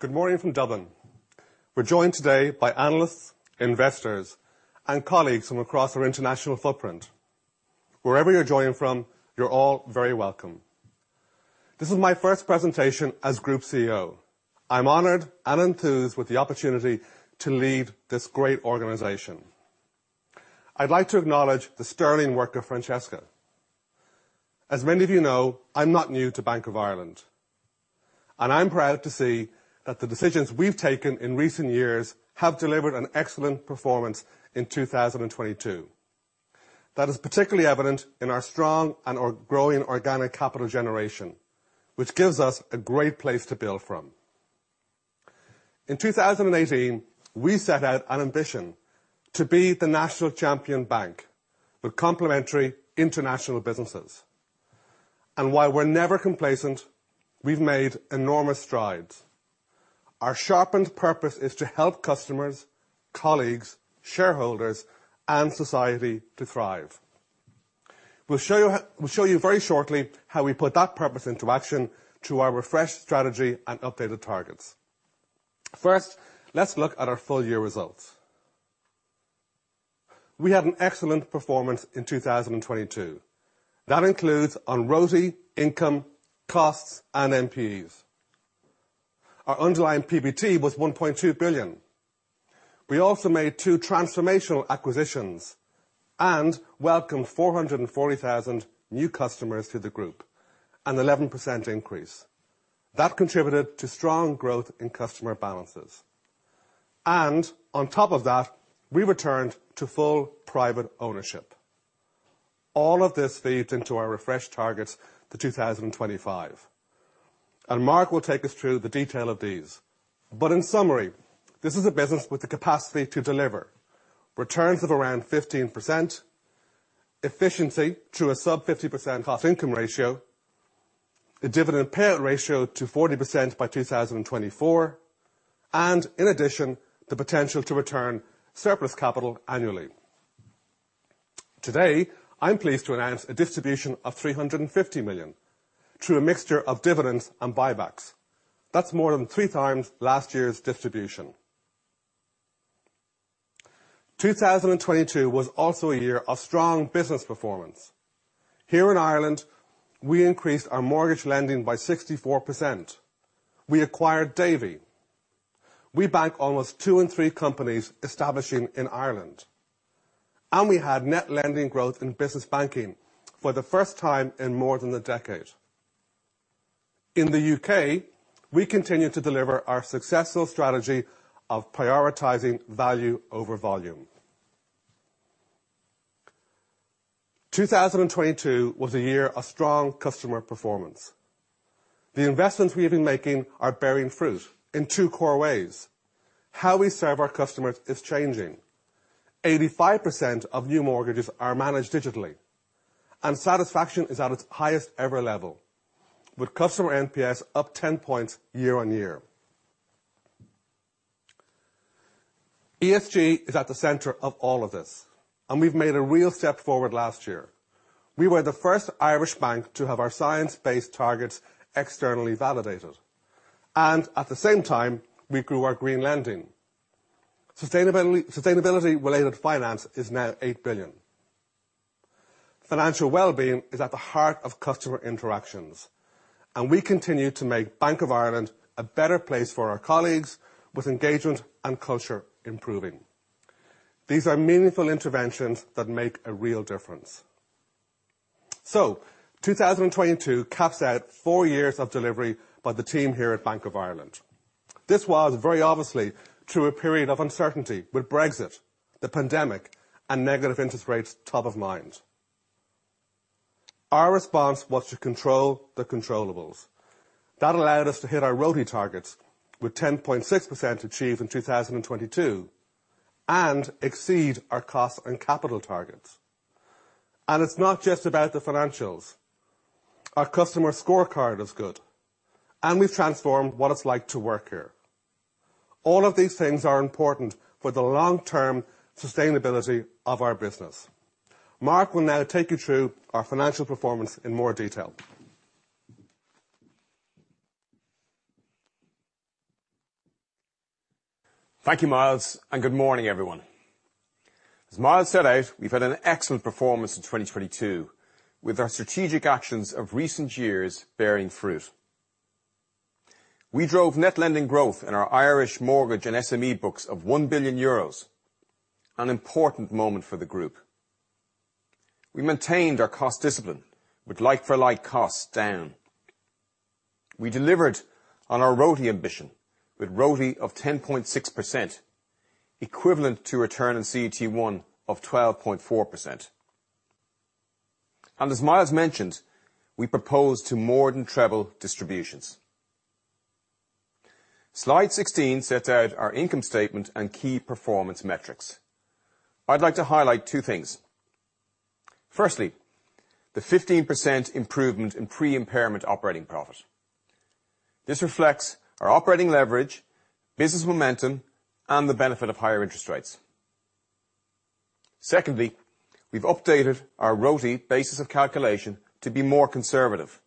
Good morning from Dublin. We're joined today by analysts, investors, and colleagues from across our international footprint. Wherever you're joining from, you're all very welcome. This is my first presentation as Group CEO. I'm honored and enthused with the opportunity to lead this great organization. I'd like to acknowledge the sterling work of Francesca. As many of you know, I'm not new to Bank of Ireland, and I'm proud to see that the decisions we've taken in recent years have delivered an excellent performance in 2022. That is particularly evident in our strong and our growing organic capital generation, which gives us a great place to build from. In 2018, we set out an ambition to be the national champion bank with complementary international businesses. While we're never complacent, we've made enormous strides. Our sharpened purpose is to help customers, colleagues, shareholders, and society to thrive. We'll show you very shortly how we put that purpose into action through our refreshed strategy and updated targets. Let's look at our full year results. We had an excellent performance in 2022. That includes on RoTE, income, costs, and NPEs. Our underlying PBT was 1.2 billion. We also made two transformational acquisitions and welcomed 440,000 new customers to the group, an 11% increase. That contributed to strong growth in customer balances. On top of that, we returned to full private ownership. All of this feeds into our refreshed targets to 2025, and Mark will take us through the detail of these. In summary, this is a business with the capacity to deliver returns of around 15%, efficiency through a sub 50% cost-income ratio, a dividend payout ratio to 40% by 2024, and in addition, the potential to return surplus capital annually. Today, I'm pleased to announce a distribution of 350 million through a mixture of dividends and buybacks. That's more than 3 times last year's distribution. 2022 was also a year of strong business performance. Here in Ireland, we increased our mortgage lending by 64%. We acquired Davy. We bank almost 2 in 3 companies establishing in Ireland. We had net lending growth in business banking for the first time in more than a decade. In the U.K., we continue to deliver our successful strategy of prioritizing value over volume. 2022 was a year of strong customer performance. The investments we have been making are bearing fruit in two core ways. How we serve our customers is changing. 85% of new mortgages are managed digitally, and satisfaction is at its highest ever level, with customer NPS up 10 points year-over-year. ESG is at the center of all of this, and we've made a real step forward last year. We were the first Irish bank to have our science-based targets externally validated, and at the same time, we grew our green lending. Sustainability-related finance is now 8 billion. Financial wellbeing is at the heart of customer interactions, and we continue to make Bank of Ireland a better place for our colleagues with engagement and culture improving. These are meaningful interventions that make a real difference. 2022 caps out 4 years of delivery by the team here at Bank of Ireland. This was very obviously through a period of uncertainty with Brexit, the pandemic, and negative interest rates top of mind. Our response was to control the controllables. That allowed us to hit our RoTE targets, with 10.6% achieved in 2022, and exceed our cost and capital targets. It's not just about the financials. Our customer scorecard is good, and we've transformed what it's like to work here. All of these things are important for the long-term sustainability of our business. Mark will now take you through our financial performance in more detail. Thank you, Myles, good morning, everyone. As Myles set out, we've had an excellent performance in 2022, with our strategic actions of recent years bearing fruit. We drove net lending growth in our Irish mortgage and SME books of 1 billion euros, an important moment for the group. We maintained our cost discipline with like-for-like costs down. We delivered on our RoTE ambition with RoTE of 10.6%, equivalent to return in CET1 of 12.4%. As Myles mentioned, we propose to more than treble distributions. Slide 16 sets out our income statement and key performance metrics. I'd like to highlight two things. Firstly, the 15% improvement in pre-impairment operating profit. This reflects our operating leverage, business momentum, and the benefit of higher interest rates. Secondly, we've updated our RoTE basis of calculation to be more conservative.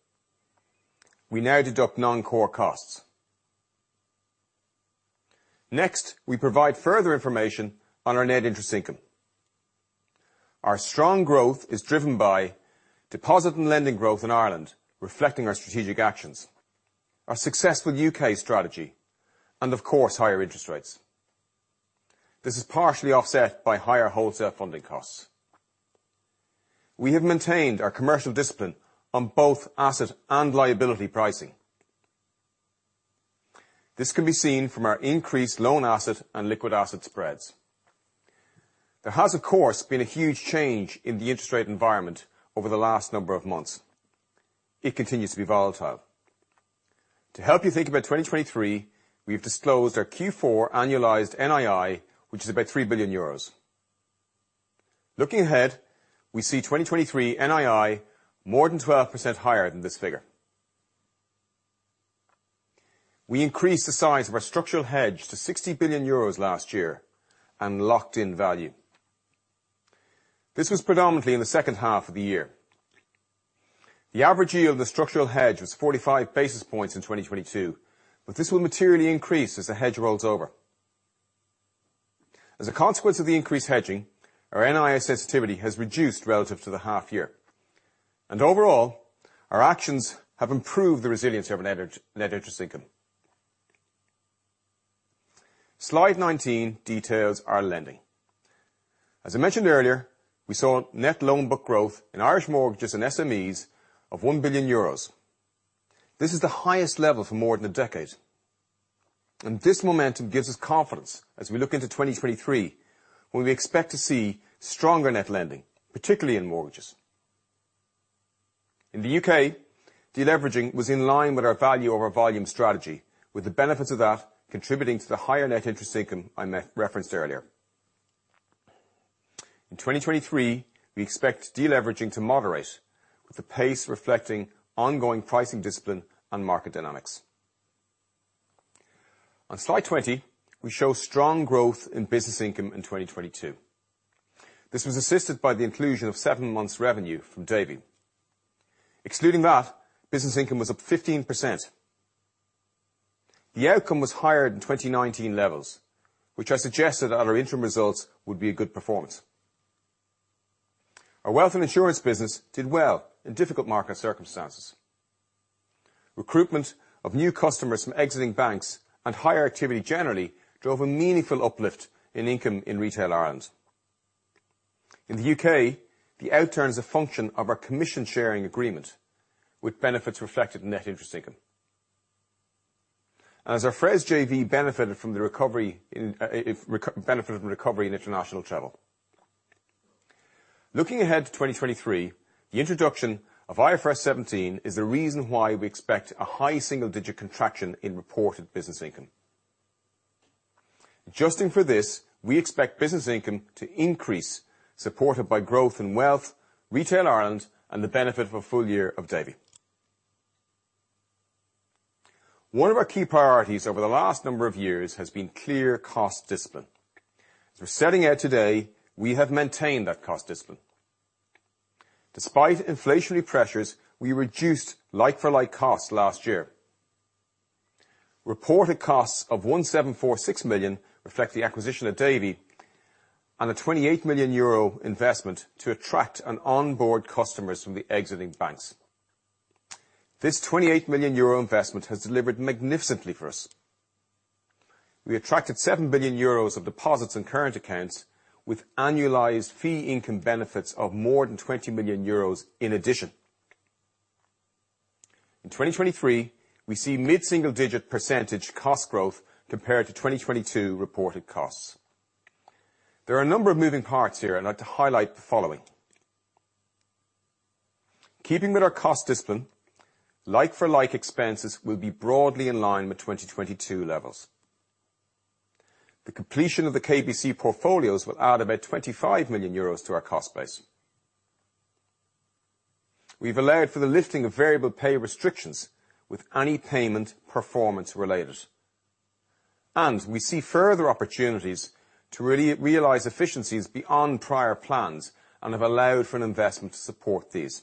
We now deduct non-core costs. We provide further information on our net interest income. Our strong growth is driven by deposit and lending growth in Ireland, reflecting our strategic actions, our successful U.K. strategy, and of course, higher interest rates. This is partially offset by higher wholesale funding costs. We have maintained our commercial discipline on both asset and liability pricing. This can be seen from our increased loan asset and liquid asset spreads. There has, of course, been a huge change in the interest rate environment over the last number of months. It continues to be volatile. To help you think about 2023, we've disclosed our Q4 annualized NII, which is about 3 billion euros. Looking ahead, we see 2023 NII more than 12% higher than this figure. We increased the size of our structural hedge to 60 billion euros last year and locked in value. This was predominantly in the second half of the year. The average yield of the structural hedge was 45 basis points in 2022, but this will materially increase as the hedge rolls over. As a consequence of the increased hedging, our NII sensitivity has reduced relative to the half year. Overall, our actions have improved the resilience of our net interest income. Slide 19 details our lending. As I mentioned earlier, we saw net loan book growth in Irish mortgages and SMEs of 1 billion euros. This is the highest level for more than a decade. This momentum gives us confidence as we look into 2023, when we expect to see stronger net lending, particularly in mortgages. In the U.K., deleveraging was in line with our value over volume strategy, with the benefits of that contributing to the higher net interest income I referenced earlier. In 2023, we expect deleveraging to moderate, with the pace reflecting ongoing pricing discipline and market dynamics. On Slide 20, we show strong growth in business income in 2022. This was assisted by the inclusion of 7 months' revenue from Davy. Excluding that, business income was up 15%. The outcome was higher than 2019 levels, which I suggested at our interim results would be a good performance. Our wealth and insurance business did well in difficult market circumstances. Recruitment of new customers from exiting banks and higher activity generally drove a meaningful uplift in income in retail Ireland. In the U.K., the outturn is a function of our commission sharing agreement, with benefits reflected in net interest income. As our FRS JV benefited from the recovery in, benefited from recovery in international travel. Looking ahead to 2023, the introduction of IFRS 17 is the reason why we expect a high single-digit contraction in reported business income. Adjusting for this, we expect business income to increase, supported by growth in wealth, retail Ireland, and the benefit of a full year of Davy. One of our key priorities over the last number of years has been clear cost discipline. As we're setting out today, we have maintained that cost discipline. Despite inflationary pressures, we reduced like-for-like costs last year. Reported costs of 1,746 million reflect the acquisition of Davy and a 28 million euro investment to attract and onboard customers from the exiting banks. This 28 million euro investment has delivered magnificently for us. We attracted 7 billion euros of deposits and current accounts with annualized fee income benefits of more than 20 million euros in addition. In 2023, we see mid-single digit percentage cost growth compared to 2022 reported costs. There are a number of moving parts here. I'd like to highlight the following. Keeping with our cost discipline, like-for-like expenses will be broadly in line with 2022 levels. The completion of the KBC portfolios will add about 25 million euros to our cost base. We've allowed for the lifting of variable pay restrictions with any payment performance related. We see further opportunities to realize efficiencies beyond prior plans and have allowed for an investment to support these.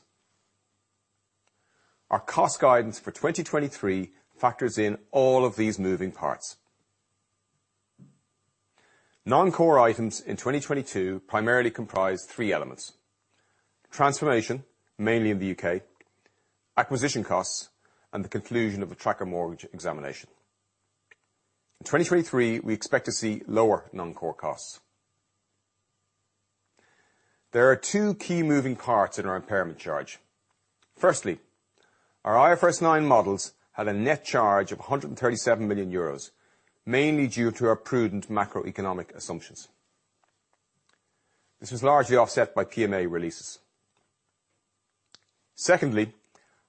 Our cost guidance for 2023 factors in all of these moving parts. Non-core items in 2022 primarily comprise three elements. Transformation, mainly in the U.K., acquisition costs, and the conclusion of the Tracker Mortgage Examination. In 2023, we expect to see lower non-core costs. There are two key moving parts in our impairment charge. Firstly, our IFRS 9 models had a net charge of 137 million euros, mainly due to our prudent macroeconomic assumptions. This was largely offset by PMA releases. Secondly,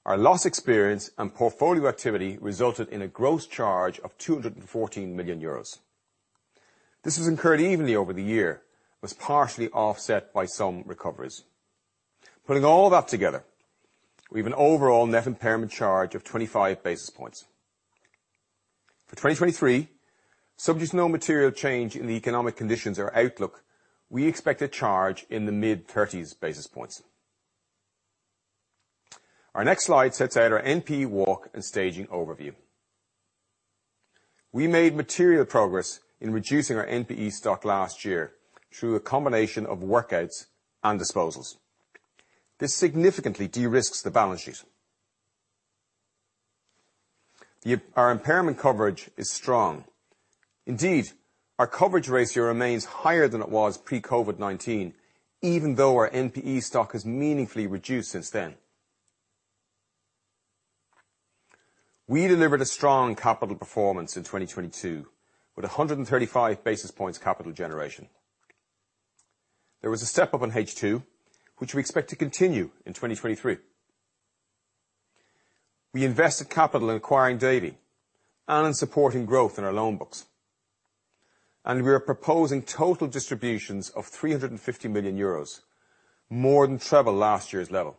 our loss experience and portfolio activity resulted in a gross charge of 214 million euros. This was incurred evenly over the year, was partially offset by some recoveries. Putting all that together, we have an overall net impairment charge of 25 basis points. For 2023, subject to no material change in the economic conditions or outlook, we expect a charge in the mid-30s basis points. Our next slide sets out our NPE work and staging overview. We made material progress in reducing our NPE stock last year through a combination of workouts and disposals. This significantly de-risks the balance sheet. Our impairment coverage is strong. Indeed, our coverage ratio remains higher than it was pre-COVID-19, even though our NPE stock has meaningfully reduced since then. We delivered a strong capital performance in 2022, with 135 basis points capital generation. There was a step up in H2, which we expect to continue in 2023. We invested capital in acquiring Davy and in supporting growth in our loan books. We are proposing total distributions of 350 million euros, more than triple last year's level.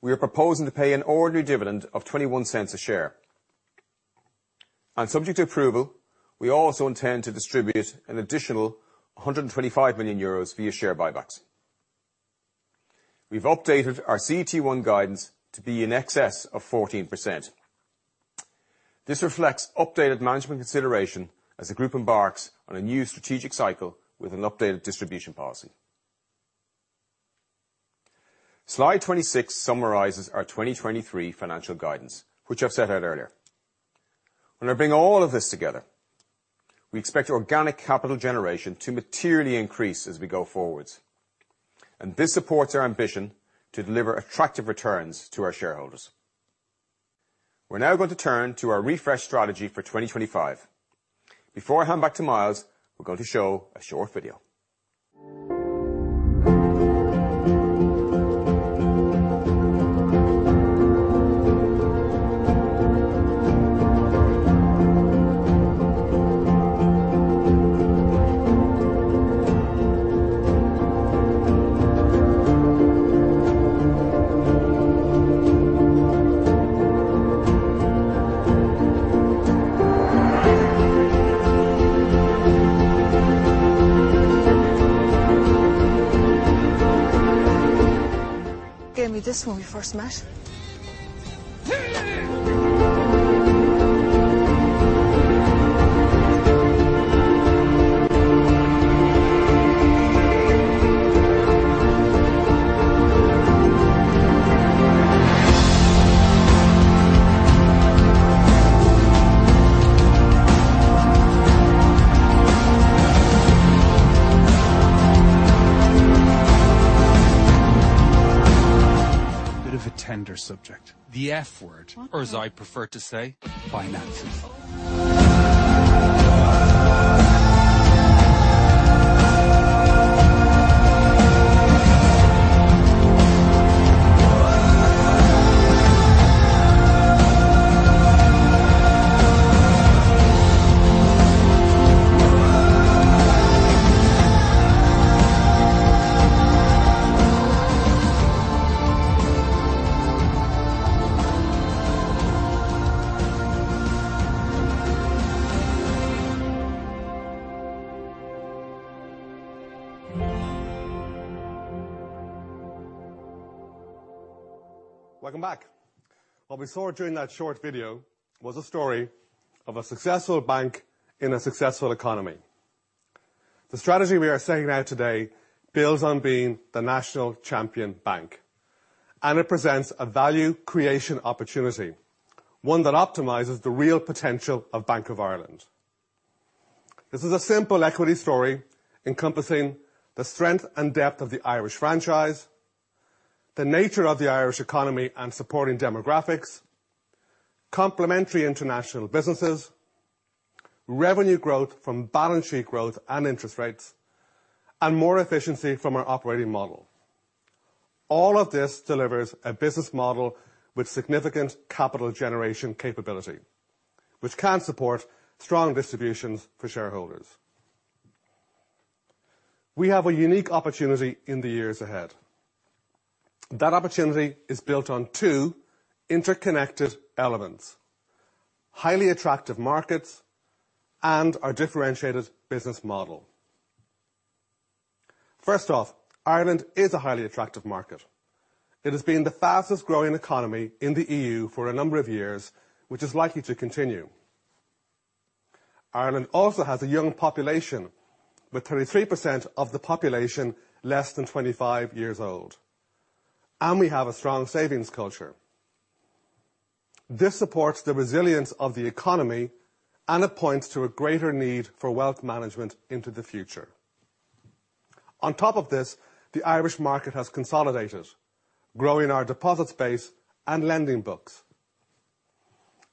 We are proposing to pay an ordinary dividend of 0.21 a share. Subject to approval, we also intend to distribute an additional 125 million euros via share buybacks. We've updated our CET1 guidance to be in excess of 14%. This reflects updated management consideration as the group embarks on a new strategic cycle with an updated distribution policy. Slide 26 summarizes our 2023 financial guidance, which I've set out earlier. When I bring all of this together, we expect organic capital generation to materially increase as we go forwards. This supports our ambition to deliver attractive returns to our shareholders. We're now going to turn to our refresh strategy for 2025. Before I hand back to Myles, we're going to show a short video. Gave me this when we first met. Bit of a tender subject. The F word. What? Or as I prefer to say, finances. Welcome back. What we saw during that short video was a story of a successful bank in a successful economy. The strategy we are setting out today builds on being the national champion bank, and it presents a value creation opportunity, one that optimizes the real potential of Bank of Ireland. This is a simple equity story encompassing the strength and depth of the Irish franchise, the nature of the Irish economy and supporting demographics, complementary international businesses, revenue growth from balance sheet growth and interest rates, and more efficiency from our operating model. All of this delivers a business model with significant capital generation capability, which can support strong distributions for shareholders. We have a unique opportunity in the years ahead. That opportunity is built on two interconnected elements: highly attractive markets and our differentiated business model. First off, Ireland is a highly attractive market. It has been the fastest-growing economy in the EU for a number of years, which is likely to continue. Ireland also has a young population, with 33% of the population less than 25 years old. We have a strong savings culture. This supports the resilience of the economy, and it points to a greater need for wealth management into the future. On top of this, the Irish market has consolidated, growing our deposit base and lending books.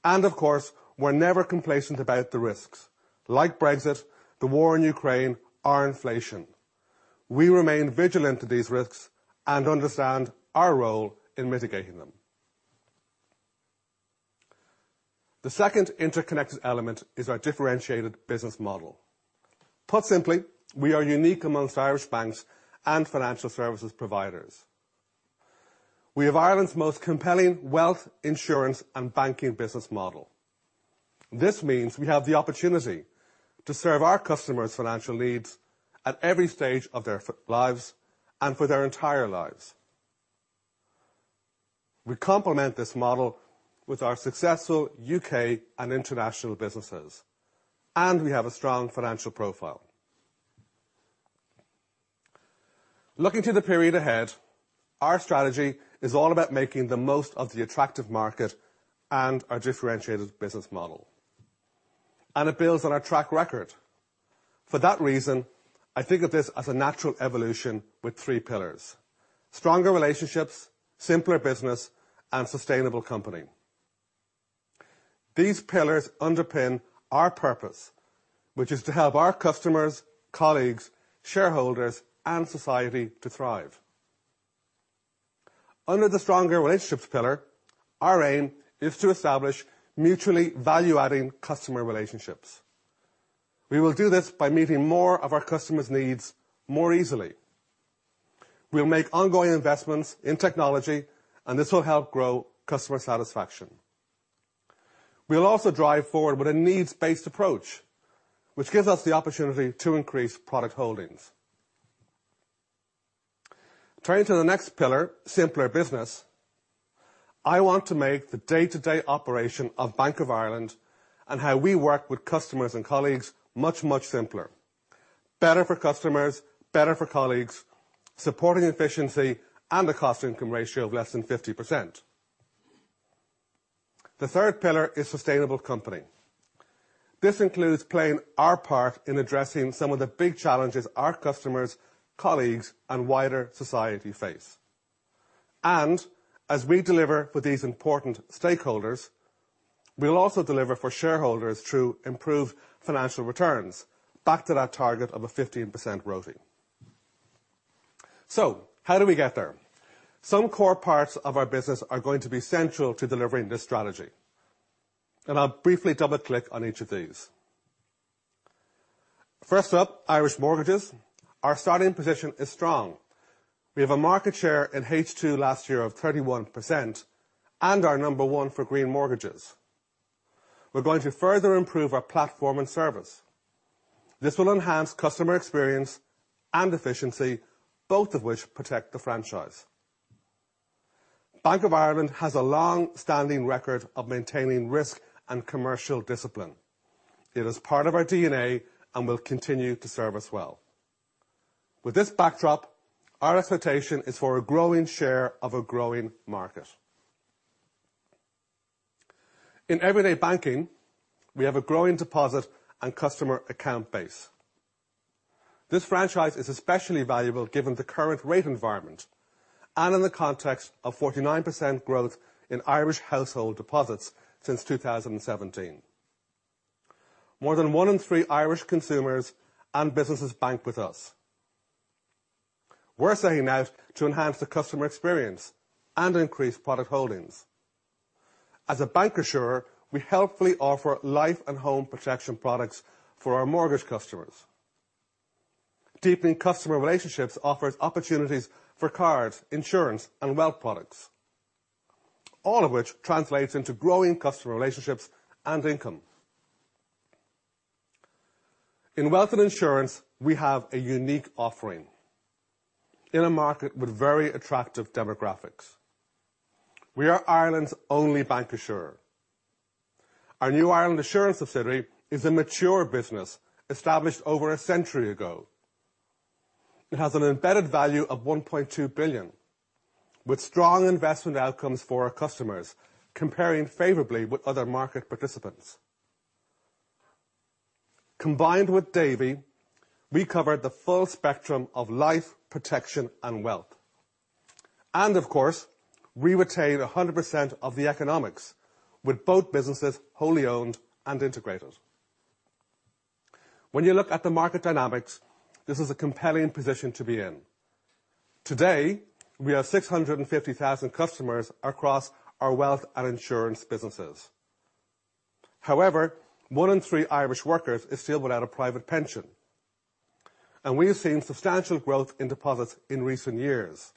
Of course, we're never complacent about the risks. Like Brexit, the war in Ukraine, or inflation, we remain vigilant to these risks and understand our role in mitigating them. The second interconnected element is our differentiated business model. Put simply, we are unique amongst Irish banks and financial services providers. We have Ireland's most compelling wealth, insurance, and banking business model. This means we have the opportunity to serve our customers' financial needs at every stage of their lives and for their entire lives. We complement this model with our successful U.K. and international businesses. We have a strong financial profile. Looking to the period ahead, our strategy is all about making the most of the attractive market and our differentiated business model. It builds on our track record. For that reason, I think of this as a natural evolution with three pillars: stronger relationships, simpler business, and sustainable company. These pillars underpin our purpose, which is to help our customers, colleagues, shareholders, and society to thrive. Under the stronger relationships pillar, our aim is to establish mutually value-adding customer relationships. We will do this by meeting more of our customers' needs more easily. We'll make ongoing investments in technology. This will help grow customer satisfaction. We'll also drive forward with a needs-based approach, which gives us the opportunity to increase product holdings. Turning to the next pillar, simpler business. I want to make the day-to-day operation of Bank of Ireland and how we work with customers and colleagues much simpler. Better for customers, better for colleagues, supporting efficiency and a cost-income ratio of less than 50%. The third pillar is sustainable company. This includes playing our part in addressing some of the big challenges our customers, colleagues, and wider society face. As we deliver for these important stakeholders, we'll also deliver for shareholders through improved financial returns back to that target of a 15% RoTE. How do we get there? Some core parts of our business are going to be central to delivering this strategy. I'll briefly double-click on each of these. First up, Irish mortgages. Our starting position is strong. We have a market share in H2 last year of 31%, and are number one for green mortgages. We're going to further improve our platform and service. This will enhance customer experience and efficiency, both of which protect the franchise. Bank of Ireland has a long-standing record of maintaining risk and commercial discipline. It is part of our DNA and will continue to serve us well. With this backdrop, our expectation is for a growing share of a growing market. In everyday banking, we have a growing deposit and customer account base. This franchise is especially valuable given the current rate environment and in the context of 49% growth in Irish household deposits since 2017. More than one in three Irish consumers and businesses bank with us. We're setting out to enhance the customer experience and increase product holdings. As a bancassurance, we helpfully offer life and home protection products for our mortgage customers. Deepening customer relationships offers opportunities for cards, insurance, and wealth products, all of which translates into growing customer relationships and income. In wealth and insurance, we have a unique offering in a market with very attractive demographics. We are Ireland's only bancassurance. Our New Ireland Assurance subsidiary is a mature business established over a century ago. It has an embedded value of 1.2 billion with strong investment outcomes for our customers, comparing favorably with other market participants. Of course, we retain 100% of the economics with both businesses wholly owned and integrated. When you look at the market dynamics, this is a compelling position to be in. Today, we have 650,000 customers across our wealth and insurance businesses. However, one in three Irish workers is still without a private pension, and we have seen substantial growth in deposits in recent years.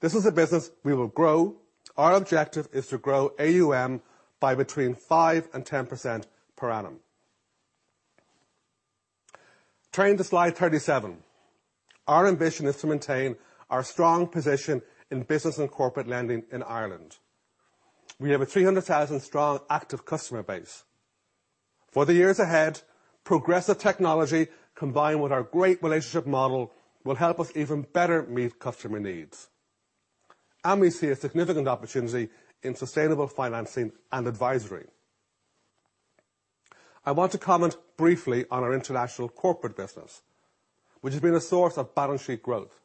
This is a business we will grow. Our objective is to grow AUM by between 5% and 10% per annum. Turning to slide 37. Our ambition is to maintain our strong position in business and corporate lending in Ireland. We have a 300,000 strong active customer base. For the years ahead, progressive technology combined with our great relationship model will help us even better meet customer needs. We see a significant opportunity in sustainable financing and advisory. I want to comment briefly on our international corporate business, which has been a source of balance sheet growth.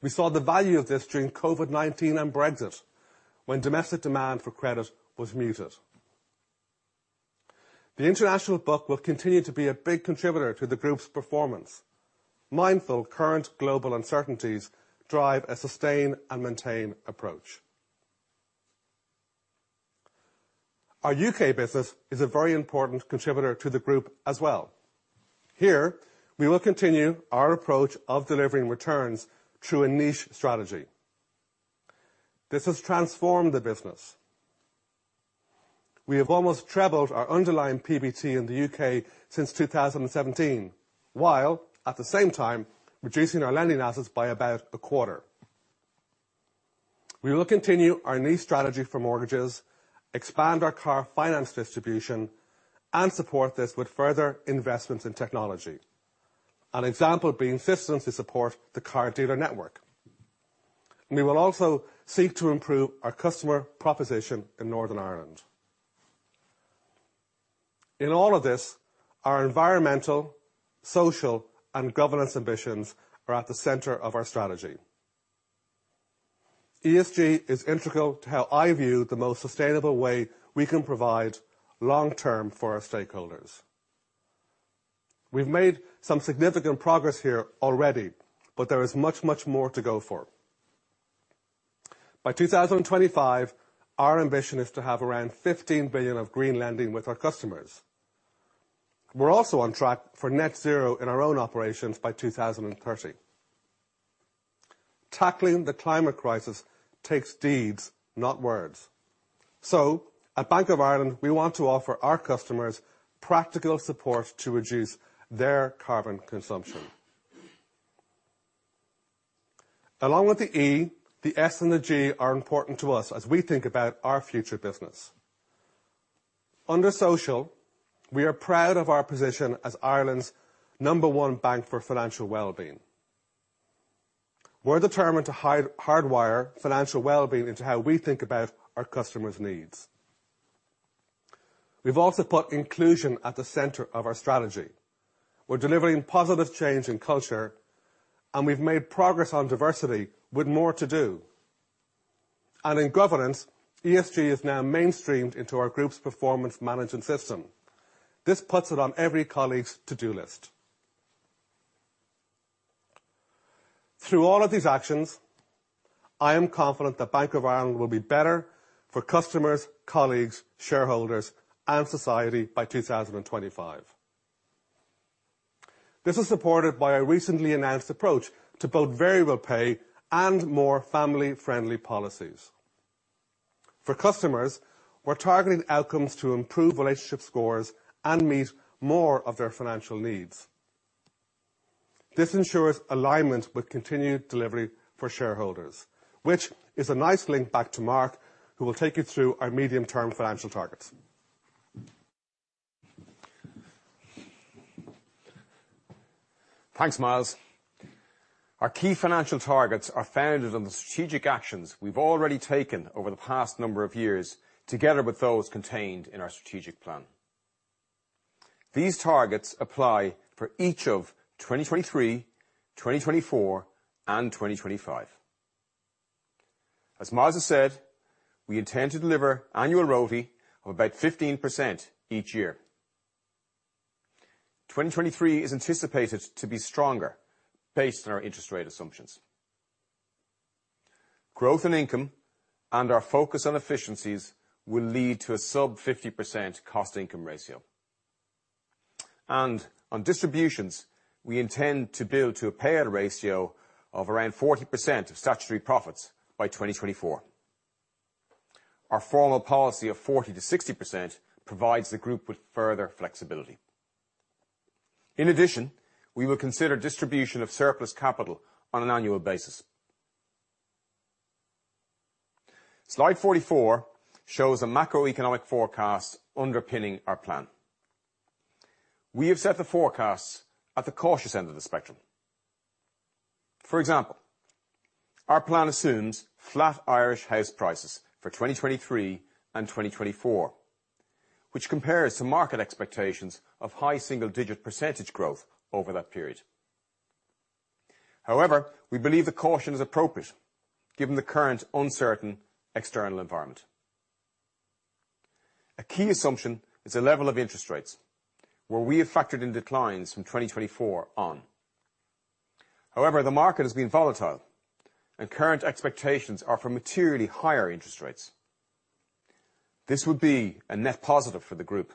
We saw the value of this during COVID-19 and Brexit, when domestic demand for credit was muted. The international book will continue to be a big contributor to the group's performance. Mindful current global uncertainties drive a sustain and maintain approach. Our U.K. business is a very important contributor to the group as well. Here, we will continue our approach of delivering returns through a niche strategy. This has transformed the business. We have almost trebled our underlying PBT in the U.K. Since 2017, while at the same time, reducing our lending assets by about a quarter. We will continue our niche strategy for mortgages, expand our car finance distribution, and support this with further investments in technology. An example being systems to support the car dealer network. We will also seek to improve our customer proposition in Northern Ireland. In all of this, our environmental, social and governance ambitions are at the center of our strategy. ESG is integral to how I view the most sustainable way we can provide long-term for our stakeholders. We've made some significant progress here already, but there is much, much more to go for. By 2025, our ambition is to have around 15 billion of green lending with our customers. We're also on track for net zero in our own operations by 2030. Tackling the climate crisis takes deeds, not words. At Bank of Ireland, we want to offer our customers practical support to reduce their carbon consumption. Along with the E, the S and the G are important to us as we think about our future business. Under social, we are proud of our position as Ireland's number one bank for financial wellbeing. We're determined to hardwire financial wellbeing into how we think about our customers' needs. We've also put inclusion at the center of our strategy. We're delivering positive change in culture, and we've made progress on diversity with more to do. In governance, ESG is now mainstreamed into our group's performance management system. This puts it on every colleague's to-do list. Through all of these actions, I am confident that Bank of Ireland will be better for customers, colleagues, shareholders, and society by 2025. This is supported by a recently announced approach to both variable pay and more family-friendly policies. For customers, we're targeting outcomes to improve relationship scores and meet more of their financial needs. This ensures alignment with continued delivery for shareholders, which is a nice link back to Mark, who will take you through our medium-term financial targets. Thanks, Myles. Our key financial targets are founded on the strategic actions we've already taken over the past number of years, together with those contained in our strategic plan. These targets apply for each of 2023, 2024, and 2025. As Myles has said, we intend to deliver annual ROAE of about 15% each year. 2023 is anticipated to be stronger based on our interest rate assumptions. Growth and income and our focus on efficiencies will lead to a sub 50% cost-income ratio. On distributions, we intend to build to a payout ratio of around 40% of statutory profits by 2024. Our formal policy of 40%-60% provides the group with further flexibility. In addition, we will consider distribution of surplus capital on an annual basis. Slide 44 shows a macroeconomic forecast underpinning our plan. We have set the forecasts at the cautious end of the spectrum. For example, our plan assumes flat Irish house prices for 2023 and 2024, which compares to market expectations of high single-digit % growth over that period. We believe the caution is appropriate given the current uncertain external environment. A key assumption is the level of interest rates, where we have factored in declines from 2024 on. The market has been volatile and current expectations are for materially higher interest rates. This would be a net positive for the group.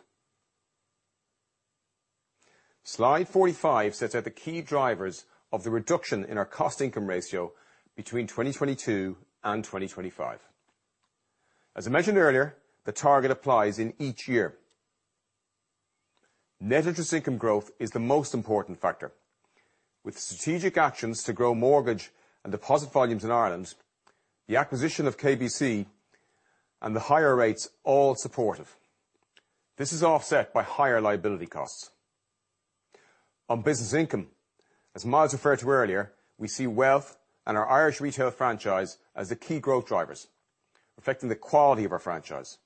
Slide 45 sets out the key drivers of the reduction in our cost-income ratio between 2022 and 2025. As I mentioned earlier, the target applies in each year. Net interest income growth is the most important factor. With strategic actions to grow mortgage and deposit volumes in Ireland, the acquisition of KBC, and the higher rates all supportive. This is offset by higher liability costs. On business income, as Myles referred to earlier, we see wealth and our Irish retail franchise as the key growth drivers, affecting the quality of our franchise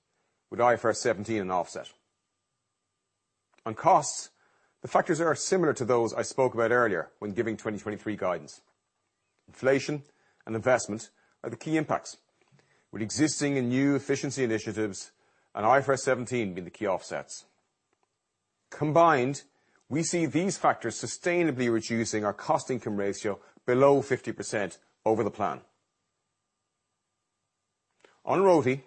with IFRS 17 an offset. On costs, the factors are similar to those I spoke about earlier when giving 2023 guidance. Inflation and investment are the key impacts, with existing and new efficiency initiatives and IFRS 17 being the key offsets. Combined, we see these factors sustainably reducing our cost-income ratio below 50% over the plan. On ROTE,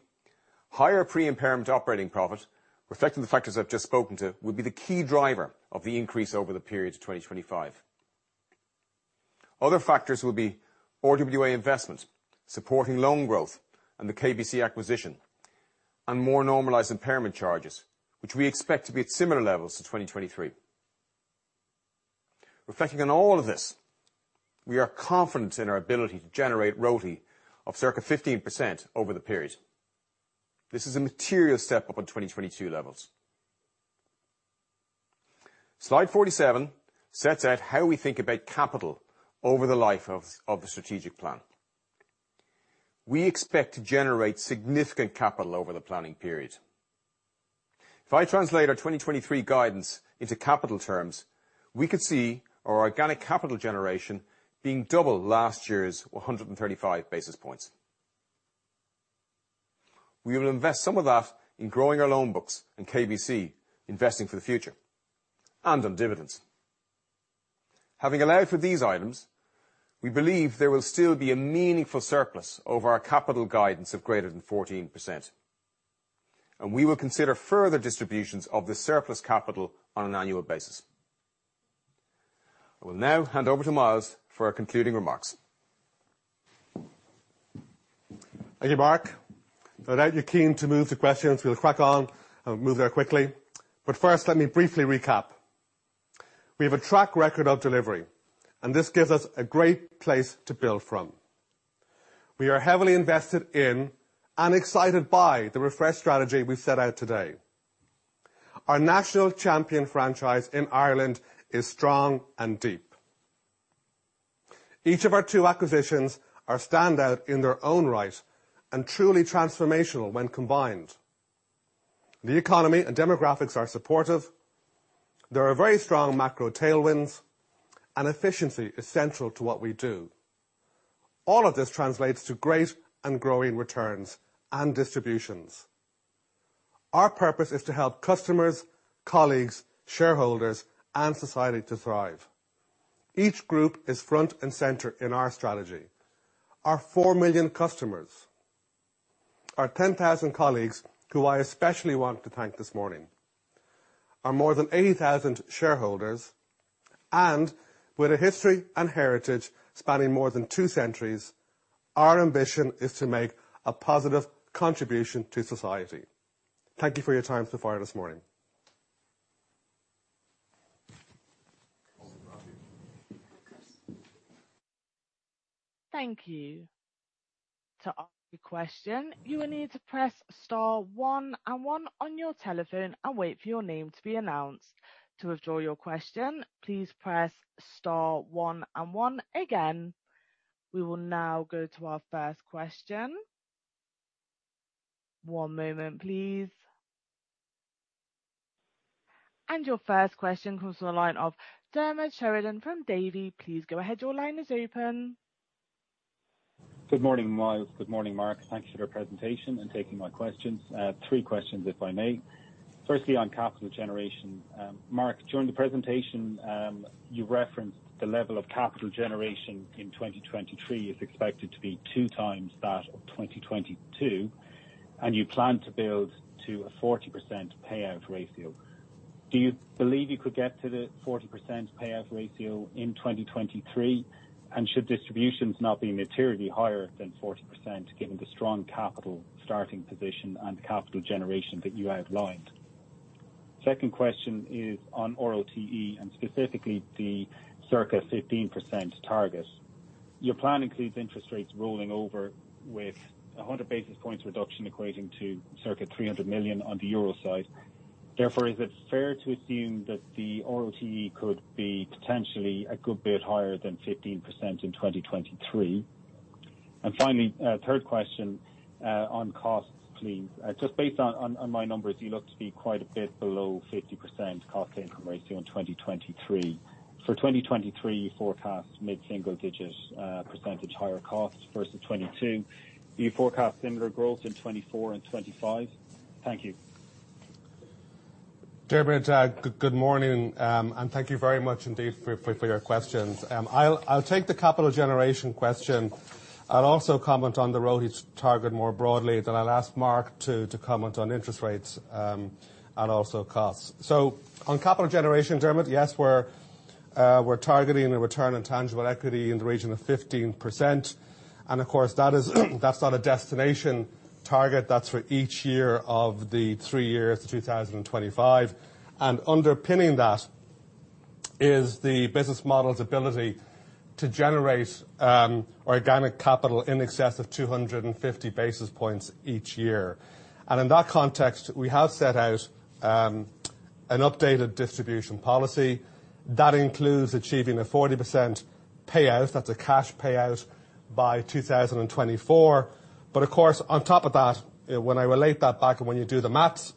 higher pre-impairment operating profit, reflecting the factors I've just spoken to, will be the key driver of the increase over the period to 2025. Other factors will be RWA investment, supporting loan growth and the KBC acquisition, and more normalized impairment charges, which we expect to be at similar levels to 2023. Reflecting on all of this, we are confident in our ability to generate RoTE of circa 15% over the period. This is a material step up on 2022 levels. Slide 47 sets out how we think about capital over the life of the strategic plan. We expect to generate significant capital over the planning period. If I translate our 2023 guidance into capital terms, we could see our organic capital generation being double last year's 135 basis points. We will invest some of that in growing our loan books and KBC, investing for the future and on dividends. Having allowed for these items, we believe there will still be a meaningful surplus over our capital guidance of greater than 14%. We will consider further distributions of the surplus capital on an annual basis. I will now hand over to Myles for our concluding remarks. Thank you, Mark. No doubt you're keen to move to questions. We'll crack on and move there quickly. First, let me briefly recap. We have a track record of delivery, and this gives us a great place to build from. We are heavily invested in and excited by the refreshed strategy we set out today. Our national champion franchise in Ireland is strong and deep. Each of our 2 acquisitions are standout in their own right and truly transformational when combined. The economy and demographics are supportive. There are very strong macro tailwinds. Efficiency is central to what we do. All of this translates to great and growing returns and distributions. Our purpose is to help customers, colleagues, shareholders, and society to thrive. Each group is front and center in our strategy. Our 4 million customers, our 10,000 colleagues, who I especially want to thank this morning, our more than 80,000 shareholders, and with a history and heritage spanning more than 2 centuries, our ambition is to make a positive contribution to society. Thank you for your time so far this morning. Thank you. To ask a question, you will need to press star one and one on your telephone and wait for your name to be announced. To withdraw your question, please press star one and one again. We will now go to our first question. One moment, please. Your first question comes from the line of Diarmaid Sheridan from Davy. Please go ahead. Your line is open. Good morning, Myles. Good morning, Mark. Thank you for your presentation and taking my questions. 3 questions, if I may. Firstly, on capital generation. Mark, during the presentation, you referenced the level of capital generation in 2023 is expected to be 2 times that of 2022, and you plan to build to a 40% payout ratio. Do you believe you could get to the 40% payout ratio in 2023? Should distributions now be materially higher than 40% given the strong capital starting position and capital generation that you outlined? Second question is on RoTE and specifically the circa 15% target. Your plan includes interest rates rolling over with a 100 basis points reduction equating to circa 300 million on the euro side. Therefore, is it fair to assume that the ROTE could be potentially a good bit higher than 15% in 2023? Finally, third question, on costs, please. Just based on my numbers, you look to be quite a bit below 50% cost-income ratio in 2023. For 2023, you forecast mid-single digit percentage higher costs versus 2022. Do you forecast similar growth in 2024 and 2025? Thank you. Diarmaid, good morning, thank you very much indeed for your questions. I'll take the capital generation question. I'll also comment on the RoTE's target more broadly I'll ask Mark to comment on interest rates and also costs. On capital generation, Diarmaid, yes, we're targeting a return on tangible equity in the region of 15%. Of course, that is, that's not a destination target. That's for each year of the 3 years to 2025. Underpinning that is the business model's ability to generate organic capital in excess of 250 basis points each year. In that context, we have set out an updated distribution policy that includes achieving a 40% payout, that's a cash payout, by 2024. Of course, on top of that, when I relate that back and when you do the math,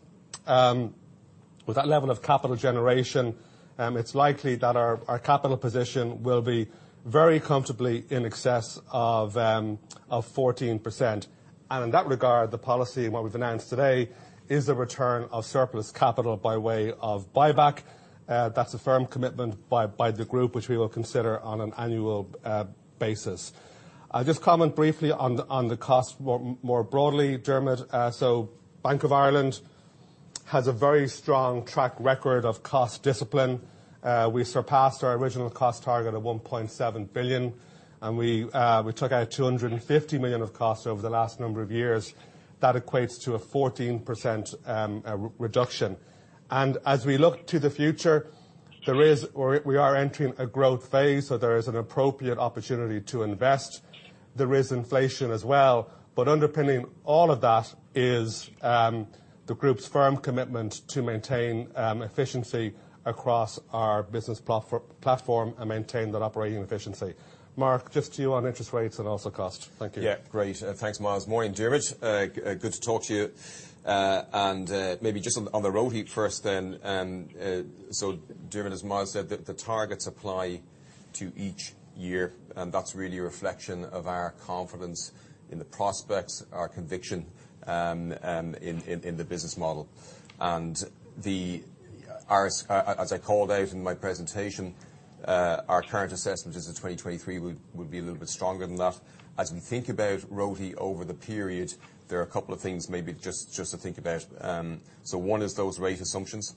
with that level of capital generation, it's likely that our capital position will be very comfortably in excess of 14%. In that regard, the policy, what we've announced today is the return of surplus capital by way of buyback. That's a firm commitment by the group, which we will consider on an annual basis. I'll just comment briefly on the cost more broadly, Diarmaid. Bank of Ireland has a very strong track record of cost discipline. We surpassed our original cost target of 1.7 billion, and we took out 250 million of costs over the last number of years. That equates to a 14% reduction. As we look to the future, we are entering a growth phase, so there is an appropriate opportunity to invest. There is inflation as well, but underpinning all of that is the group's firm commitment to maintain efficiency across our business platform and maintain that operating efficiency. Mark, just to you on interest rates and also cost. Thank you. Yeah. Great. thanks Myles. Morning, Diarmaid. good to talk to you. maybe just on the ROAE first then. Diarmaid, as Myles said, the targets apply to each year, and that's really a reflection of our confidence in the prospects, our conviction in the business model. Our, as I called out in my presentation, our current assessment is that 2023 would be a little bit stronger than that. As we think about ROAE over the period, there are a couple of things maybe just to think about. One is those rate assumptions.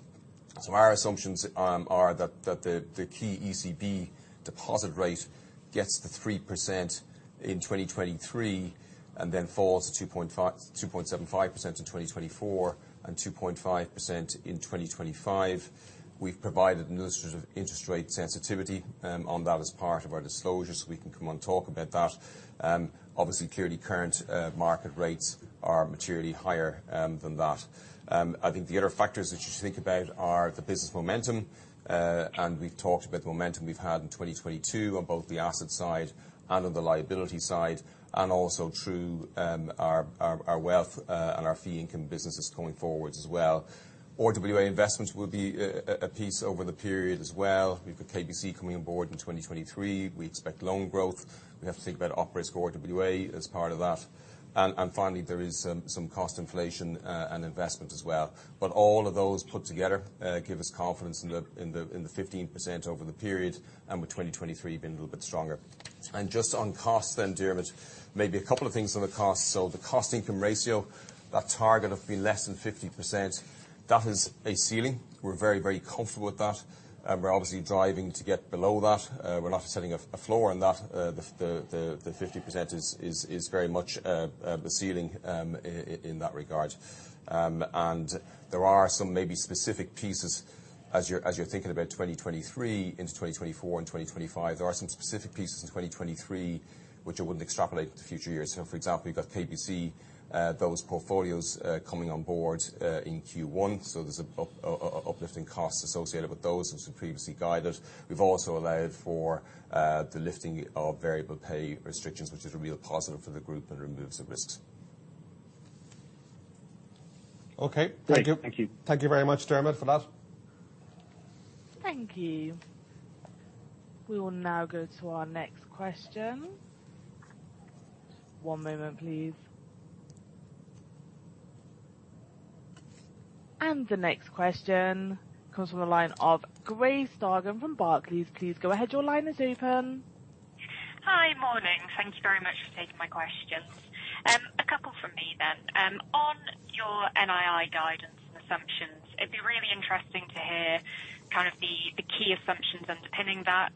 Our assumptions are that the key ECB deposit rate gets to 3% in 2023 and then falls to 2.75% in 2024 and 2.5% in 2025. We've provided an illustrative interest rate sensitivity on that as part of our disclosure, so we can come and talk about that. Obviously clearly current market rates are materially higher than that. I think the other factors that you should think about are the business momentum. We've talked about the momentum we've had in 2022 on both the asset side and on the liability side, and also through our wealth and our fee income businesses going forwards as well. RWA investments will be a piece over the period as well. We've got KBC coming on board in 2023. We expect loan growth. We have to think about OpRisk for RWA as part of that. Finally, there is some cost inflation and investment as well. All of those put together give us confidence in the 15% over the period, and with 2023 being a little bit stronger. Just on costs then, Diarmaid, maybe a couple of things on the cost. The cost-income ratio, that target of being less than 50%, that is a ceiling. We're very comfortable with that. We're obviously driving to get below that. We're not setting a floor on that. The 50% is very much the ceiling in that regard. There are some maybe specific pieces as you're, as you're thinking about 2023 into 2024 and 2025, there are some specific pieces in 2023 which I wouldn't extrapolate to future years. For example, you've got KBC, those portfolios coming on board in Q1, so there's a uplifting costs associated with those as we previously guided. We've also allowed for the lifting of variable pay restrictions, which is a real positive for the group and removes the risks. Okay. Thank you. Thank you. Thank you very much, Diarmaid, for that. Thank you. We will now go to our next question. One moment please. The next question comes from the line of Grace Gargan from Barclays. Please go ahead. Your line is open. Hi. Morning. Thank you very much for taking my questions. A couple from me then. On your NII guidance and assumptions, it'd be really interesting to hear kind of the key assumptions underpinning that,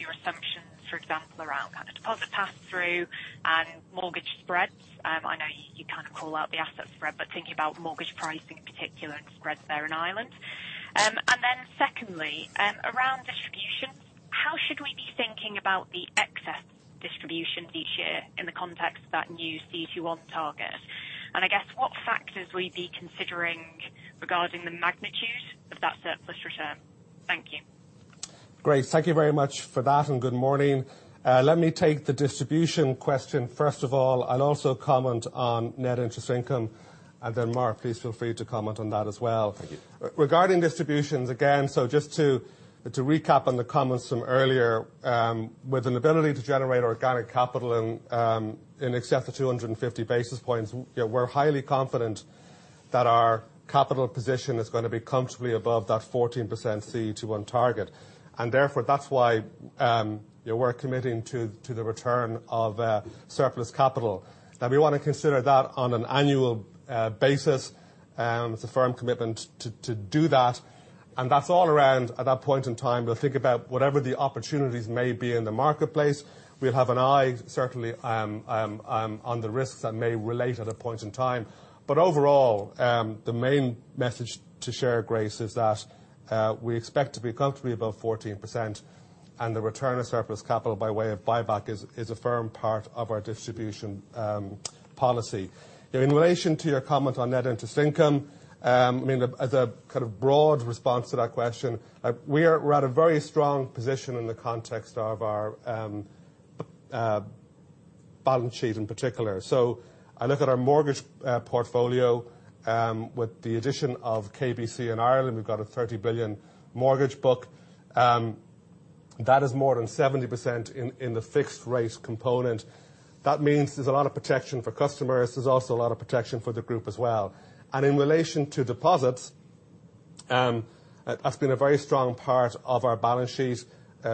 your assumptions, for example, around kind of deposit pass-through and mortgage spreads. I know you kind of call out the assets spread, but thinking about mortgage pricing in particular and spreads there in Ireland. Then secondly, around distributions, how should we be thinking about the excess distribution each year in the context of that new CET1 target? I guess what factors will you be considering regarding the magnitude of that surplus return? Thank you. Grace, thank you very much for that, and good morning. Let me take the distribution question first of all, and also comment on net interest income, and then Mark, please feel free to comment on that as well. Thank you. Regarding distributions, again, just to recap on the comments from earlier, with an ability to generate organic capital in excess of 250 basis points, you know, we're highly confident that our capital position is gonna be comfortably above that 14% CET1 target. Therefore that's why, you know, we're committing to the return of surplus capital. We wanna consider that on an annual basis with a firm commitment to do that. That's all around at that point in time. We'll think about whatever the opportunities may be in the marketplace. We'll have an eye certainly on the risks that may relate at a point in time. Overall, the main message to share, Grace, is that we expect to be comfortably above 14%, and the return of surplus capital by way of buyback is a firm part of our distribution policy. In relation to your comment on net interest income, I mean, as a kind of broad response to that question, we are at a very strong position in the context of our Balance sheet in particular. I look at our mortgage portfolio with the addition of KBC in Ireland. We've got a 30 billion mortgage book that is more than 70% in the fixed rate component. That means there's a lot of protection for customers. There's also a lot of protection for the group as well. In relation to deposits, that's been a very strong part of our balance sheet.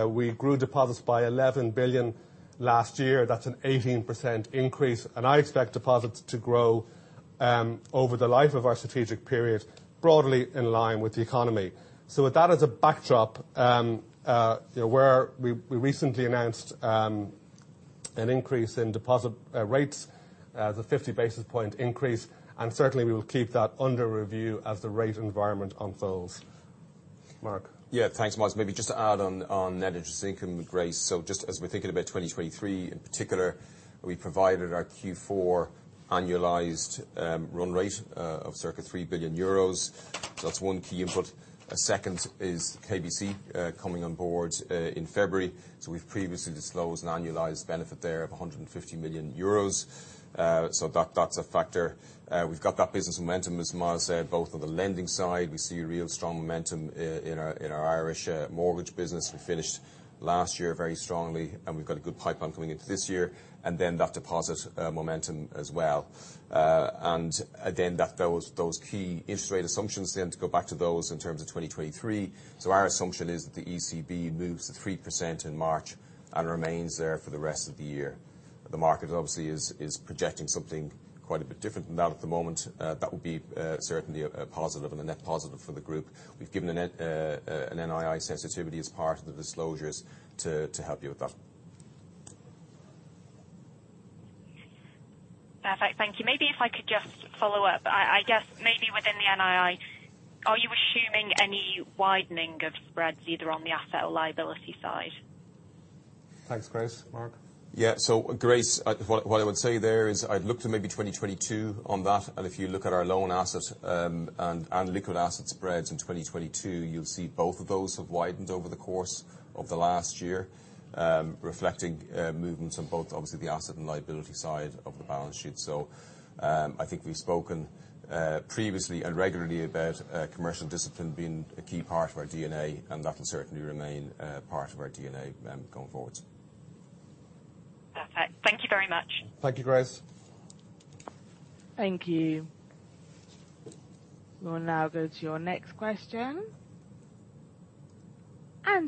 We grew deposits by 11 billion last year. That's an 18% increase, and I expect deposits to grow over the life of our strategic period, broadly in line with the economy. With that as a backdrop, you know, we recently announced an increase in deposit rates as a 50 basis point increase, and certainly we will keep that under review as the rate environment unfolds. Mark. Thanks, Myles. Maybe just to add on net interest income with Grace. Just as we're thinking about 2023 in particular, we provided our Q4 annualized run rate of circa 3 billion euros. That's one key input. A second is KBC coming on board in February. We've previously disclosed an annualized benefit there of 150 million euros. That's a factor. We've got that business momentum, as Myles said, both on the lending side, we see real strong momentum in our Irish mortgage business. We finished last year very strongly, and we've got a good pipeline coming into this year, and then that deposit momentum as well. And then those key interest rate assumptions then to go back to those in terms of 2023. Our assumption is that the ECB moves to 3% in March and remains there for the rest of the year. The market obviously is projecting something quite a bit different than that at the moment. That would be certainly a positive and a net positive for the group. We've given a NII sensitivity as part of the disclosures to help you with that. Perfect. Thank you. Maybe if I could just follow up. I guess maybe within the NII, are you assuming any widening of spreads, either on the asset or liability side? Thanks, Grace. Mark? Grace, what I would say there is I'd look to maybe 2022 on that. If you look at our loan assets, and liquid asset spreads in 2022, you'll see both of those have widened over the course of the last year, reflecting movements on both obviously the asset and liability side of the balance sheet. I think we've spoken previously and regularly about commercial discipline being a key part of our DNA. That will certainly remain part of our DNA then going forward. Perfect. Thank you very much. Thank you, Grace. Thank you. We will now go to your next question.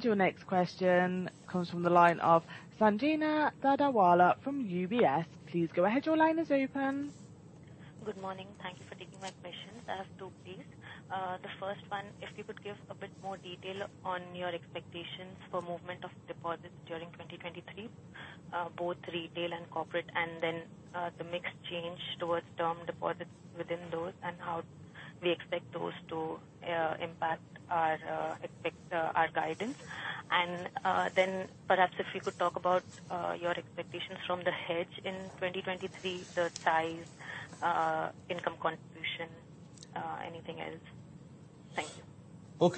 Your next question comes from the line of Sanjena Dadawala from UBS. Please go ahead. Your line is open. Good morning. Thank you for taking my questions. I have two, please. The first one, if you could give a bit more detail on your expectations for movement of deposits during 2023, both retail and corporate, and then the mix change towards term deposits within those, and how we expect those to impact our affect our guidance. Then perhaps if you could talk about your expectations from the hedge in 2023, the size, income contribution, anything else. Thank you.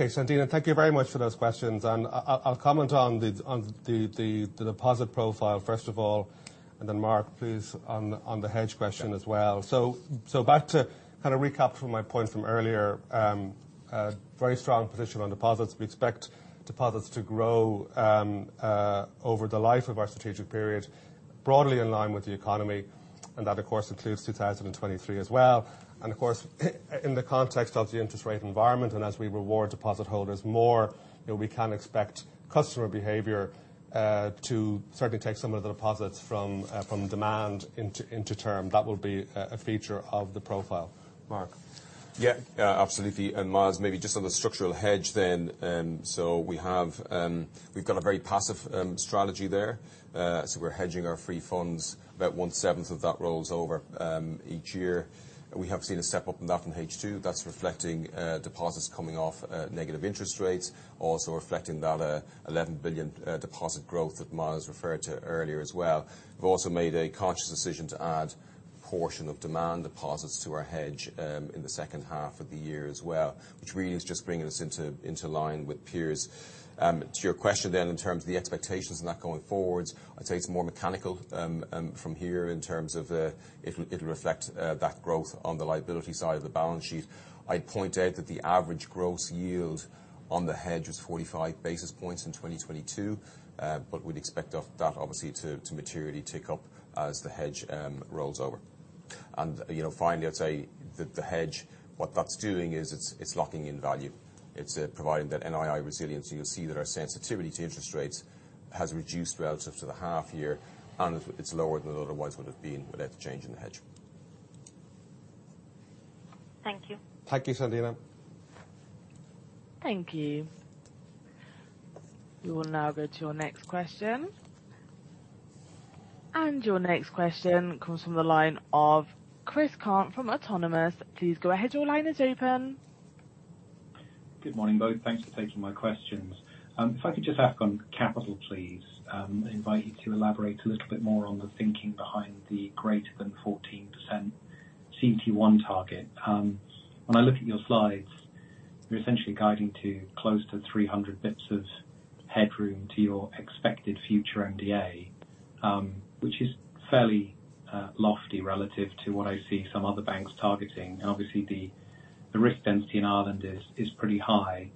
Sanjena, thank you very much for those questions. I'll comment on the deposit profile first of all, then Mark, please, on the hedge question as well. Back to kind of recap from my point from earlier, a very strong position on deposits. We expect deposits to grow over the life of our strategic period, broadly in line with the economy, and that of course includes 2023 as well. Of course, in the context of the interest rate environment and as we reward deposit holders more, you know, we can expect customer behavior to certainly take some of the deposits from demand into term. That will be a feature of the profile. Mark. Absolutely. Myles, maybe just on the structural hedge. We have we've got a very passive strategy there. We're hedging our free funds. About one-seventh of that rolls over each year. We have seen a step-up in that from H2. That's reflecting deposits coming off at negative interest rates, also reflecting that 11 billion deposit growth that Myles referred to earlier as well. We've also made a conscious decision to add portion of demand deposits to our hedge in the second half of the year as well, which really is just bringing us into line with peers. To your question in terms of the expectations and that going forward, I'd say it's more mechanical from here in terms of the, it'll reflect that growth on the liability side of the balance sheet. I'd point out that the average gross yield on the hedge was 45 basis points in 2022, we'd expect of that obviously to materially tick up as the hedge rolls over. You know, finally, I'd say that the hedge, what that's doing is it's locking in value. It's providing that NII resiliency. You'll see that our sensitivity to interest rates has reduced relative to the half year, and it's lower than it otherwise would have been without the change in the hedge. Thank you. Thank you, Sanjena. Thank you. We will now go to your next question. Your next question comes from the line of Chris Cant from Autonomous. Please go ahead. Your line is open. Good morning, both. Thanks for taking my questions. If I could just ask on capital, please, invite you to elaborate a little bit more on the thinking behind the greater than 14% CET1 target. When I look at your slides. You're essentially guiding to close to 300 bits of headroom to your expected future MDA, which is fairly lofty relative to what I see some other banks targeting. Obviously the risk density in Ireland is pretty high.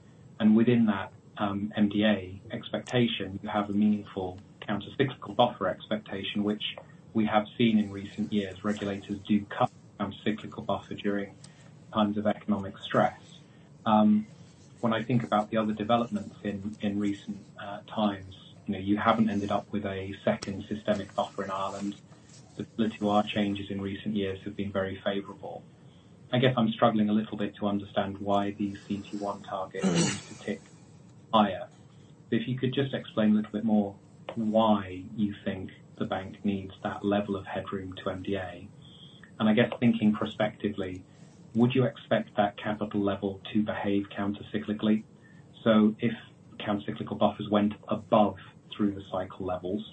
Within that MDA expectation, you have a meaningful countercyclical buffer expectation, which we have seen in recent years. Regulators do cut down cyclical buffer during times of economic stress. When I think about the other developments in recent times, you know, you haven't ended up with a second systemic buffer in Ireland. The LTI changes in recent years have been very favorable. I guess I'm struggling a little bit to understand why the CET1 target is to tick higher. If you could just explain a little bit more why you think the bank needs that level of headroom to MDA. I guess thinking prospectively, would you expect that capital level to behave countercyclically? If countercyclical buffers went above through the cycle levels,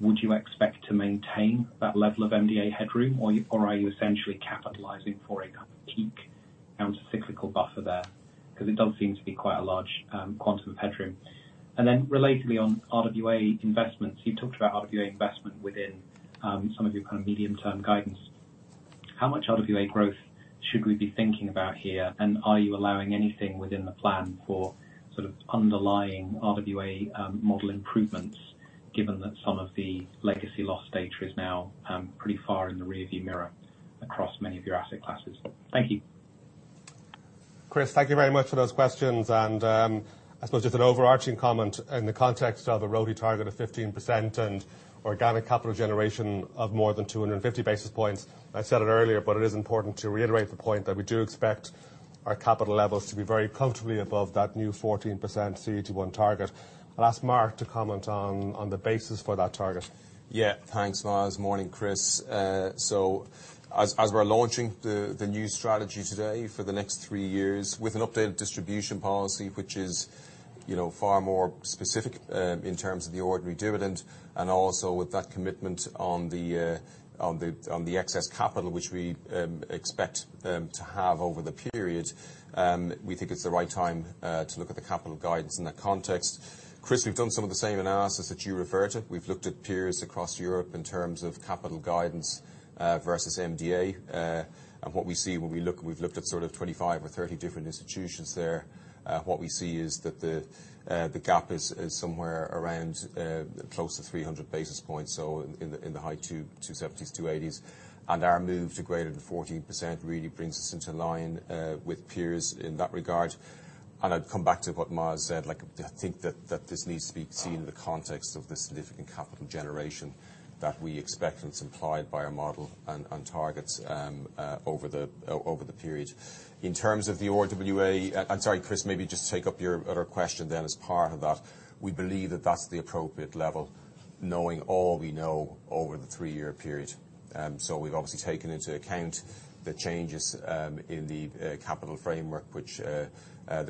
would you expect to maintain that level of MDA headroom or are you essentially capitalizing for a kind of peak countercyclical buffer there? It does seem to be quite a large quantum headroom. Relatedly on RWA investments, you talked about RWA investment within some of your kind of medium-term guidance. How much RWA growth should we be thinking about here? Are you allowing anything within the plan for sort of underlying RWA model improvements, given that some of the legacy loss data is now pretty far in the rear view mirror across many of your asset classes? Thank you. Chris, thank you very much for those questions. I suppose just an overarching comment in the context of a RoTE target of 15% and organic capital generation of more than 250 basis points. I said it earlier, but it is important to reiterate the point that we do expect our capital levels to be very comfortably above that new 14% CET1 target. I'll ask Mark to comment on the basis for that target. Thanks, Myles. Morning, Chris. As we're launching the new strategy today for the next three years with an updated distribution policy, which is, you know, far more specific in terms of the ordinary dividend, and also with that commitment on the excess capital, which we expect to have over the period, we think it's the right time to look at the capital guidance in that context. Chris, we've done some of the same analysis that you referred to. We've looked at peers across Europe in terms of capital guidance versus MDA. What we see when we've looked at sort of 25 or 30 different institutions there. What we see is that the gap is somewhere around close to 300 basis points. In the high 270s, 280s. Our move to greater than 14% really brings us into line with peers in that regard. I'd come back to what Myles said, like, I think this needs to be seen in the context of the significant capital generation that we expect, and it's implied by our model and targets over the period. In terms of the RWA, I'm sorry, Chris, maybe just take up your other question then as part of that. We believe that that's the appropriate level, knowing all we know over the 3-year period. We've obviously taken into account the changes in the capital framework, which the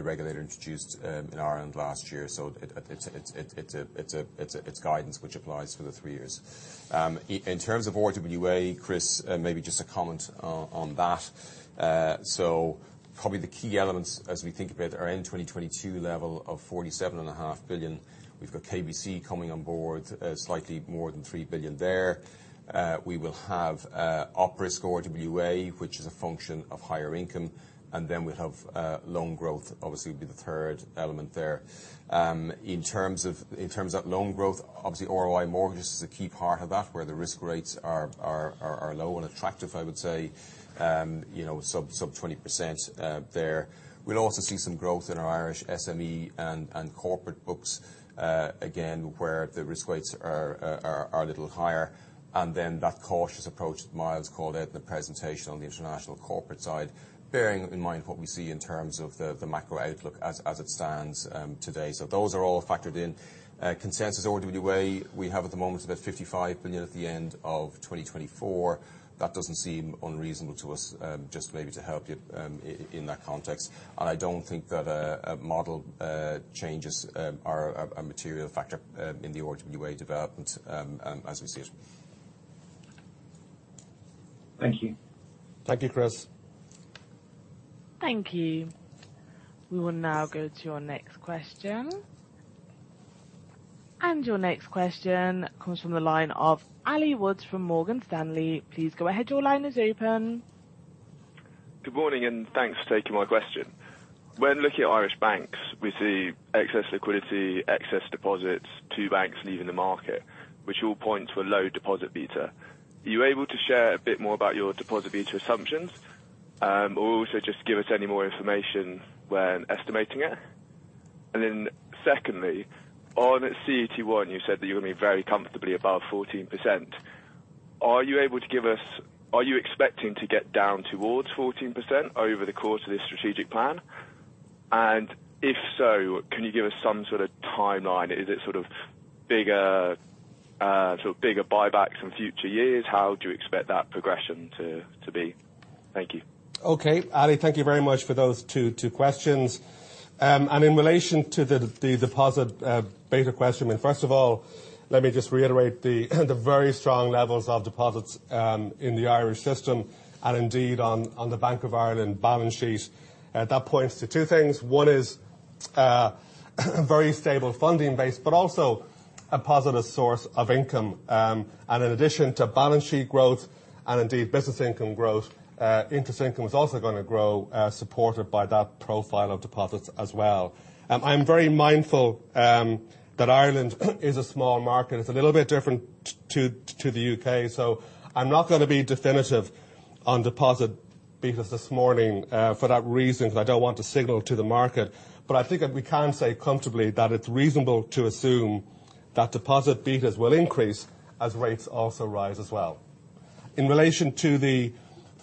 regulator introduced in Ireland last year. It's guidance which applies for the three years. In terms of RWA, Chris, maybe just a comment on that. Probably the key elements as we think about our end 2022 level of 47.5 billion, we've got KBC coming on board, slightly more than 3 billion there. We will have OpRisk RWA, which is a function of higher income, we'll have loan growth, obviously will be the third element there. In terms of loan growth, obviously, ROI mortgages is a key part of that, where the risk rates are low and attractive, I would say, you know, sub 20% there. We'll also see some growth in our Irish SME and corporate books, again, where the risk rates are a little higher. That cautious approach Myles called out in the presentation on the international corporate side, bearing in mind what we see in terms of the macro outlook as it stands today. Those are all factored in. Consensus RWA we have at the moment is about 55 billion at the end of 2024. That doesn't seem unreasonable to us, just maybe to help you in that context. I don't think that model changes are a material factor in the RWA development as we see it. Thank you. Thank you, Chris. Thank you. We will now go to your next question. Your next question comes from the line of Ali Hood from Morgan Stanley. Please go ahead. Your line is open. Good morning, thanks for taking my question. When looking at Irish banks, we see excess liquidity, excess deposits, two banks leaving the market, which all point to a low deposit beta. Are you able to share a bit more about your deposit beta assumptions? or also just give us any more information when estimating it. Secondly, on CET1, you said that you're gonna be very comfortably above 14%. Are you expecting to get down towards 14% over the course of this strategic plan? If so, can you give us some sort of timeline? Is it sort of bigger, sort of bigger buybacks in future years? How do you expect that progression to be? Thank you. Ali, thank you very much for those two questions. In relation to the deposit beta question, I mean, first of all, let me just reiterate the very strong levels of deposits in the Irish system and indeed on the Bank of Ireland balance sheet. That points to two things. One is a very stable funding base but also a positive source of income. In addition to balance sheet growth and indeed business income growth, interest income is also gonna grow, supported by that profile of deposits as well. I'm very mindful that Ireland is a small market. It's a little bit different to the U.K., I'm not gonna be definitive on deposit betas this morning for that reason, because I don't want to signal to the market. I think that we can say comfortably that it's reasonable to assume that deposit betas will increase as rates also rise as well. In relation to the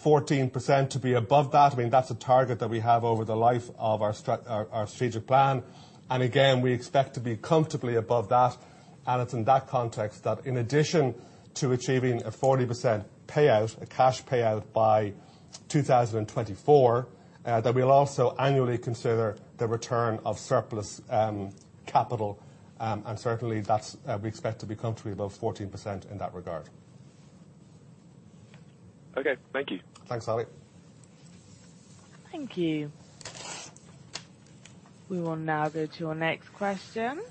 14% to be above that, I mean, that's a target that we have over the life of our strategic plan. Again, we expect to be comfortably above that. It's in that context that in addition to achieving a 40% payout, a cash payout by 2024, that we'll also annually consider the return of surplus capital, and certainly that's, we expect to be comfortably above 14% in that regard. Okay. Thank you. Thanks, Ali. Thank you. We will now go to your next question.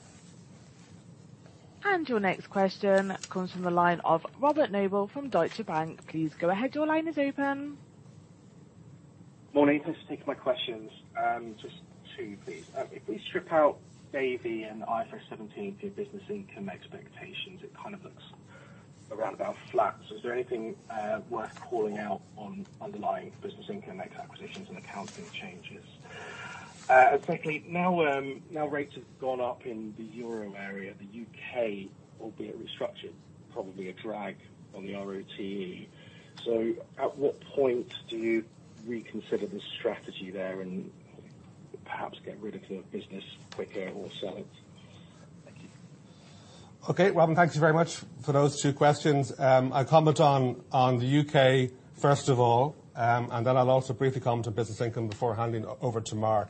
Your next question comes from the line of Robert Noble from Deutsche Bank. Please go ahead. Your line is open. Morning. Thanks for taking my questions. Just 2, please. If we strip out Davy and IFRS 17 to your business income expectations, it kind of looks around about flat. Is there anything worth calling out on underlying business income acquisitions and accounting changes? Secondly, now rates have gone up in the euro area. The U.K., albeit restructured, probably a drag on the RoTE. At what point do you reconsider the strategy there and perhaps get rid of the business quicker or sell it? Thank you. Okay. Robert, thank you very much for those 2 questions. I'll comment on the U.K., first of all, and then I'll also briefly comment on business income before handing over to Mark.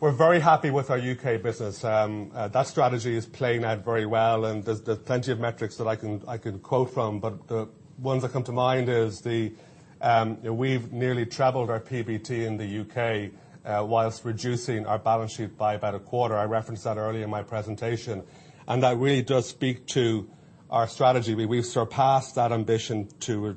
We're very happy with our U.K. business. That strategy is playing out very well, and there's plenty of metrics that I can quote from. The ones that come to mind is the, we've nearly traveled our PBT in the U.K., whilst reducing our balance sheet by about a quarter. I referenced that earlier in my presentation, and that really does speak to our strategy. We've surpassed that ambition to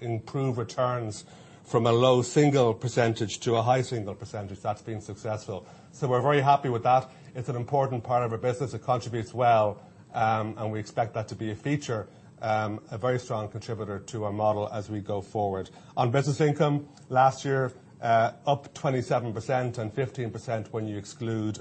improve returns from a low single percentage to a high single percentage. That's been successful. We're very happy with that. It's an important part of our business. It contributes well. We expect that to be a feature, a very strong contributor to our model as we go forward. On business income, last year, up 27% and 15% when you exclude,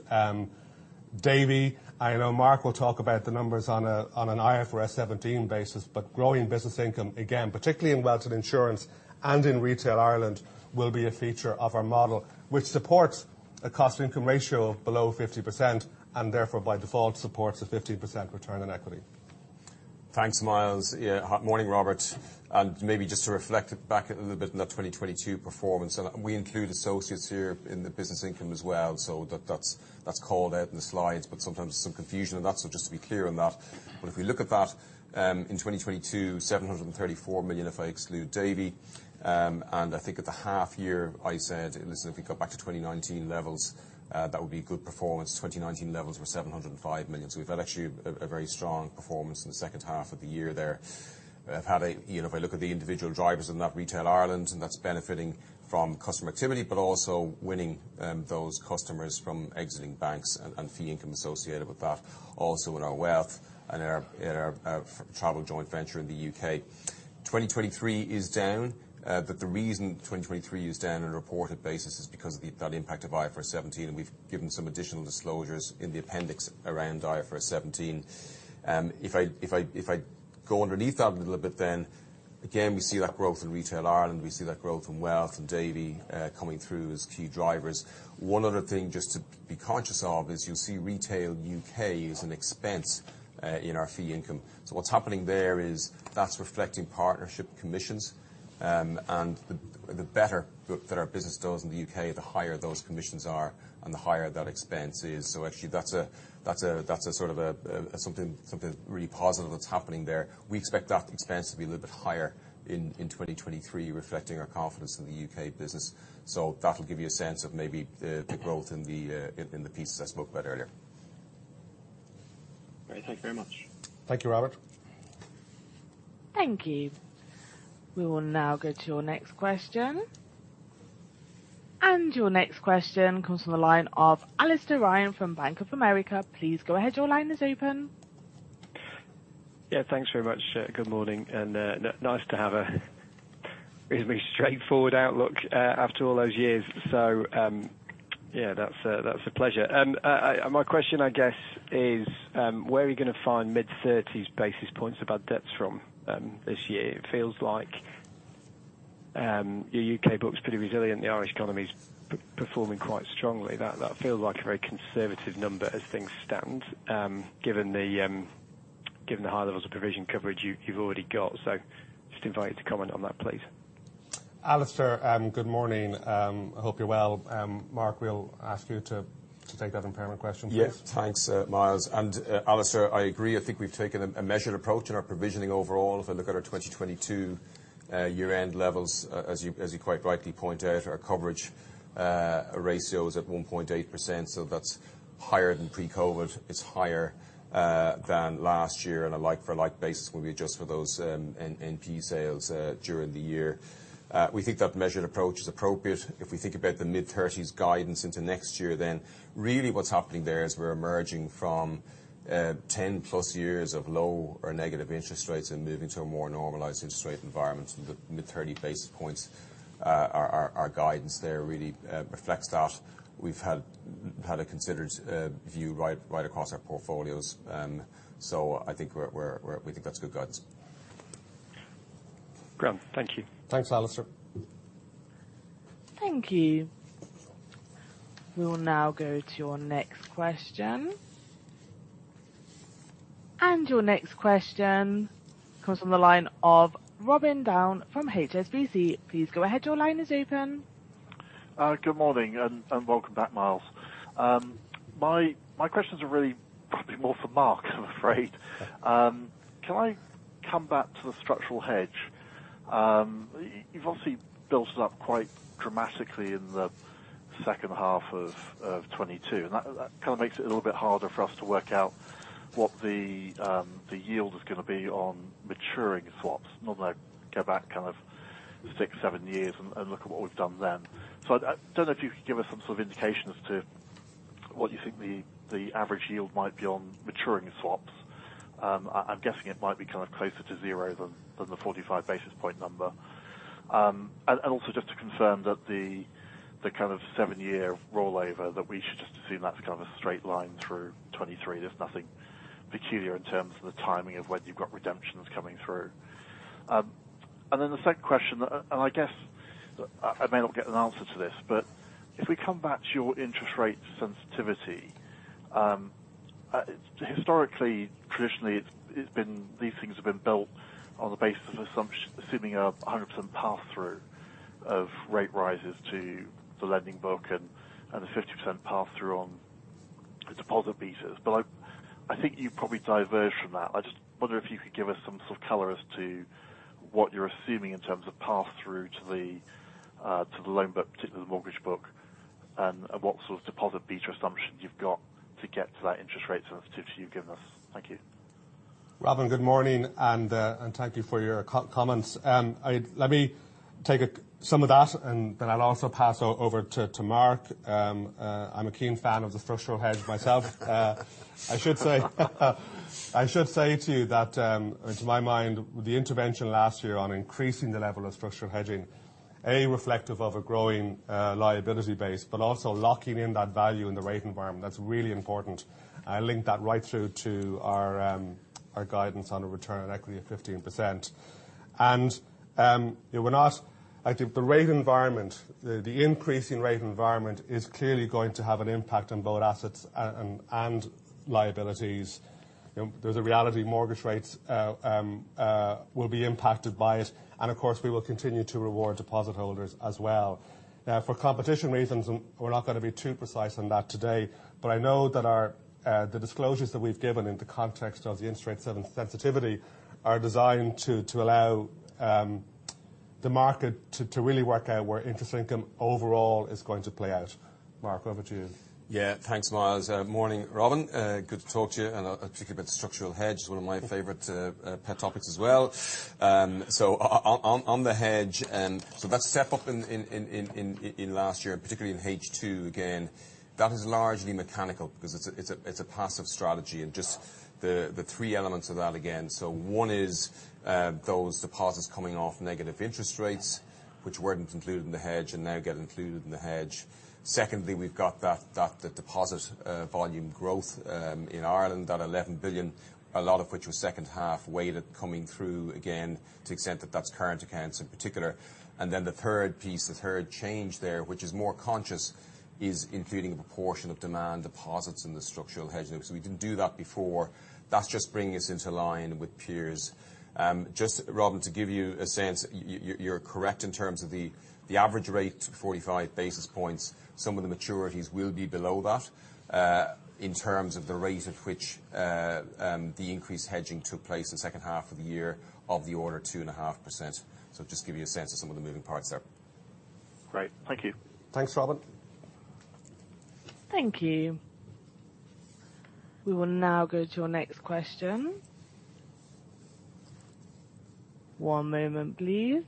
Davy. I know Mark will talk about the numbers on a, on an IFRS 17 basis, but growing business income, again, particularly in Wealth and Insurance and in Retail Ireland, will be a feature of our model, which supports a cost-income ratio below 50%. Therefore by default supports a 15% return on equity. Thanks, Myles. Yeah, morning, Robert. Maybe just to reflect it back a little bit on that 2022 performance, we include associates here in the business income as well, so that's called out in the slides. Sometimes there's some confusion on that, so just to be clear on that. If we look at that, in 2022, 734 million, if I exclude Davy, and I think at the half year, I said, listen, if we got back to 2019 levels, that would be good performance. 2019 levels were 705 million. We've had actually a very strong performance in the second half of the year there. I've had a, you know, if I look at the individual drivers in that Retail Ireland, that's benefiting from customer activity but also winning those customers from exiting banks and fee income associated with that, also in our wealth and our travel joint venture in the U.K.. 2023 is down, but the reason 2023 is down on a reported basis is because of the, that impact of IFRS 17. We've given some additional disclosures in the appendix around IFRS 17. If I go underneath that a little bit, again, we see that growth in Retail Ireland. We see that growth in Wealth and Davy coming through as key drivers. One other thing just to be conscious of is you'll see Retail UK is an expense in our fee income. What's happening there is that's reflecting partnership commissions, and the better that our business does in the U.K., the higher those commissions are, and the higher that expense is. Actually that's a sort of something really positive that's happening there. We expect that expense to be a little bit higher in 2023, reflecting our confidence in the U.K. business. That'll give you a sense of maybe the growth in the pieces I spoke about earlier. Great. Thank you very much. Thank you, Robert. Thank you. We will now go to your next question. Your next question comes from the line of Alastair Ryan from Bank of America. Please go ahead. Your line is open. Yeah. Thanks very much. Good morning, and nice to have a reasonably straightforward outlook after all those years. Yeah, that's a, that's a pleasure. My question, I guess, is, where are you gonna find mid-30s basis points above debts from, this year? It feels like, your U.K. book's pretty resilient. The Irish economy's performing quite strongly. That feels like a very conservative number as things stand, given the, Given the high levels of provision coverage you've already got. Just invite you to comment on that, please. Alastair, good morning. I hope you're well. Mark, we'll ask you to take that impairment question, please. Yes. Thanks, Myles. Alastair, I agree. I think we've taken a measured approach in our provisioning overall. If I look at our 2022 year-end levels, as you quite rightly point out, our coverage ratio is at 1.8%, so that's higher than pre-COVID. It's higher than last year. On a like-for-like basis, when we adjust for those NP sales during the year. We think that measured approach is appropriate. If we think about the mid-30s guidance into next year, really what's happening there is we're emerging from 10+ years of low or negative interest rates and moving to a more normalized interest rate environment. The mid-30 basis points our guidance there really reflects that. We've had a considered view right across our portfolios. I think we think that's good guidance. Great. Thank you. Thanks, Alastair. Thank you. We will now go to our next question. Your next question comes from the line of Robin Down from HSBC. Please go ahead. Your line is open. Good morning, and welcome back, Myles. My questions are really probably more for Mark, I'm afraid. Can I come back to the structural hedge? You've obviously built it up quite dramatically in the second half of '22. That kinda makes it a little bit harder for us to work out what the yield is gonna be on maturing swaps. Not that I go back kind of 6, 7 years and look at what we've done then. I don't know if you could give us some sort of indication as to what you think the average yield might be on maturing swaps. I'm guessing it might be kind of closer to 0 than the 45 basis point number. And also just to confirm that the kind of 7-year rollover, that we should just assume that's kind of a straight line through 2023. There's nothing peculiar in terms of the timing of when you've got redemptions coming through. And then the second question, and I guess I may not get an answer to this, but if we come back to your interest rate sensitivity, historically, traditionally, it's been, these things have been built on the basis of assuming a 100% path through of rate rises to the lending book and a 50% path through on the deposit betas. I think you've probably diverged from that. I just wonder if you could give us some sort of color as to what you're assuming in terms of path through to the to the loan book, particularly the mortgage book, and what sort of deposit beta assumptions you've got to get to that interest rate sensitivity you've given us. Thank you. Robin, good morning, and thank you for your co-comments. Let me take some of that, and then I'll also pass over to Mark. I'm a keen fan of the structural hedge myself. I should say to you that, to my mind, the intervention last year on increasing the level of structural hedging, A, reflective of a growing liability base, but also locking in that value in the rate environment. That's really important. I link that right through to our guidance on a return on equity of 15%. I think the rate environment, the increasing rate environment is clearly going to have an impact on both assets and liabilities. You know, there's a reality mortgage rates will be impacted by it, and of course, we will continue to reward deposit holders as well. Now, for competition reasons, we're not gonna be too precise on that today, but I know that our the disclosures that we've given in the context of the interest rate sensitivity are designed to allow the market to really work out where interest income overall is going to play out. Mark, over to you. Yeah. Thanks, Myles. Morning, Robin. Good to talk to you, and particularly about the structural hedge, one of my favorite pet topics as well. On, on the hedge, that step up in last year, particularly in H2, again, that is largely mechanical because it's a passive strategy and just the three elements of that again. One is, those deposits coming off negative interest rates, which weren't included in the hedge and now get included in the hedge. Secondly, we've got that deposit volume growth in Ireland, that 11 billion, a lot of which was second half weighted coming through again to the extent that that's current accounts in particular. Then the third piece, the third change there, which is more conscious, is including a proportion of demand deposits in the structural hedging. We didn't do that before. That's just bringing us into line with peers. Just, Robin, to give you a sense, you're correct in terms of the average rate, 45 basis points. Some of the maturities will be below that. In terms of the rate at which the increased hedging took place the second half of the year of the order 2.5%. Just give you a sense of some of the moving parts there. Great. Thank you. Thanks, Robin. Thank you. We will now go to our next question. One moment, please.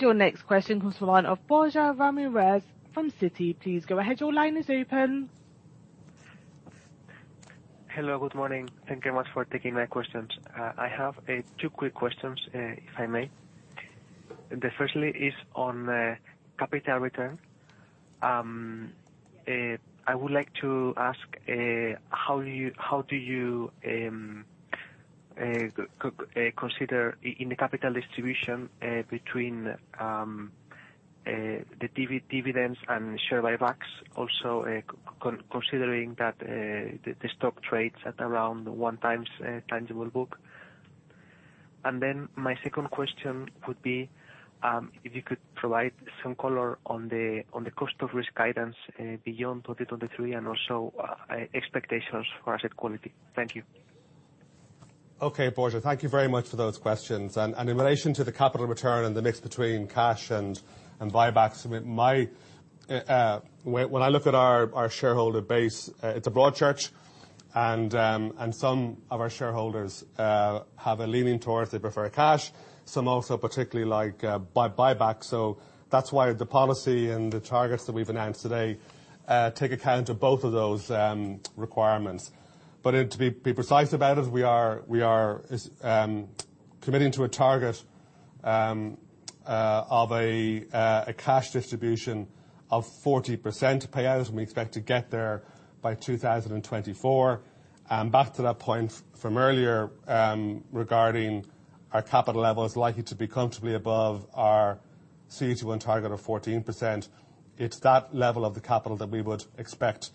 Your next question comes from the line of Borja Ramirez from Citi. Please go ahead. Your line is open. Hello, good morning. Thank you much for taking my questions. I have two quick questions, if I may. The firstly is on capital return. I would like to ask how do you consider in the capital distribution between the dividends and share buybacks, also, considering that the stock trades at around one times tangible book. My second question would be, if you could provide some color on the cost of risk guidance beyond 2023, and also expectations for asset quality. Thank you. Okay, Borja. Thank you very much for those questions. In relation to the capital return and the mix between cash and buybacks, when I look at our shareholder base, it's a broad church, and some of our shareholders have a leaning towards they prefer cash, some also particularly like buybacks. That's why the policy and the targets that we've announced today take account of both of those requirements. To be precise about it, we are committing to a target of a cash distribution of 40% payout, and we expect to get there by 2024. Back to that point from earlier, regarding our capital level is likely to be comfortably above our CET1 target of 14%. It's that level of the capital that we would expect,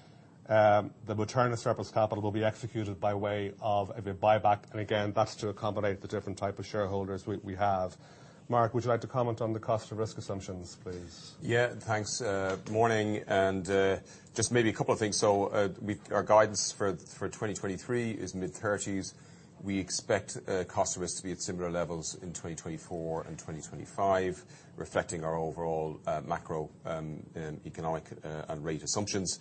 the return of surplus capital will be executed by way of a buyback. Again, that's to accommodate the different type of shareholders we have. Mark, would you like to comment on the cost of risk assumptions, please? Yeah. Thanks. Morning, and just maybe a couple of things. Our guidance for 2023 is mid-thirties. We expect cost risk to be at similar levels in 2024 and 2025, reflecting our overall macro economic and rate assumptions.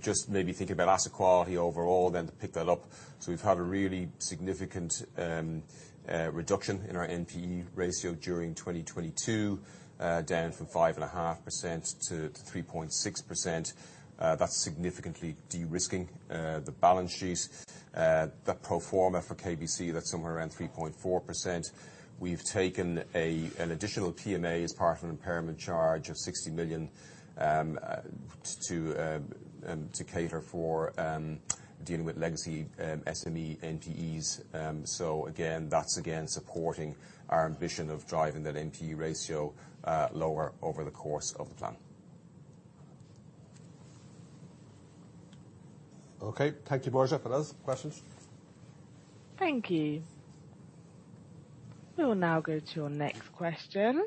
Just maybe thinking about asset quality overall then to pick that up. We've had a really significant reduction in our NPE ratio during 2022, down from 5.5% to 3.6%. That's significantly de-risking the balance sheet. The pro forma for KBC, that's somewhere around 3.4%. We've taken an additional PMA as part of an impairment charge of 60 million to cater for dealing with legacy SME NPEs. Again, that's again supporting our ambition of driving that NPE ratio, lower over the course of the plan. Okay. Thank you, Borja. Others, questions? Thank you. We will now go to your next question.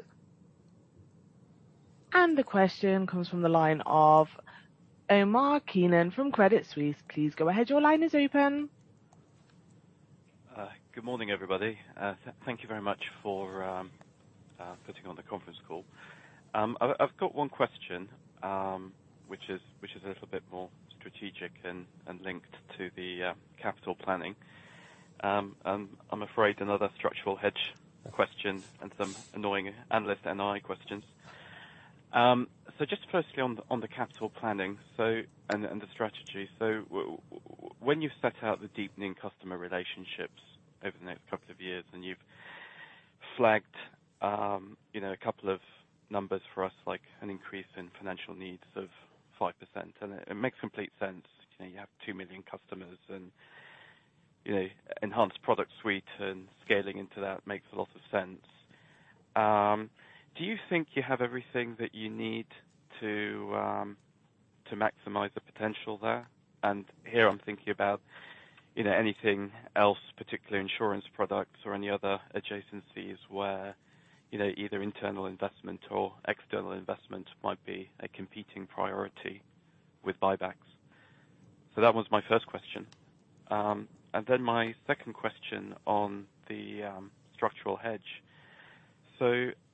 The question comes from the line of Omar Keenan from Credit Suisse. Please go ahead. Your line is open. Good morning, everybody. Thank you very much for putting on the conference call. I've got one question, which is a little bit more strategic and linked to the capital planning. I'm afraid another structural hedge question and some annoying analyst NII questions. Just firstly on the capital planning, and the strategy. When you set out the deepening customer relationships over the next couple of years, and you've flagged, you know, a couple of numbers for us, like an increase in financial needs of 5%, and it makes complete sense. You know, you have 2 million customers and, you know, enhanced product suite and scaling into that makes a lot of sense. Do you think you have everything that you need to maximize the potential there? Here I'm thinking about, you know, anything else, particularly insurance products or any other adjacencies where, you know, either internal investment or external investment might be a competing priority with buybacks. That was my first question. Then my second question on the structural hedge.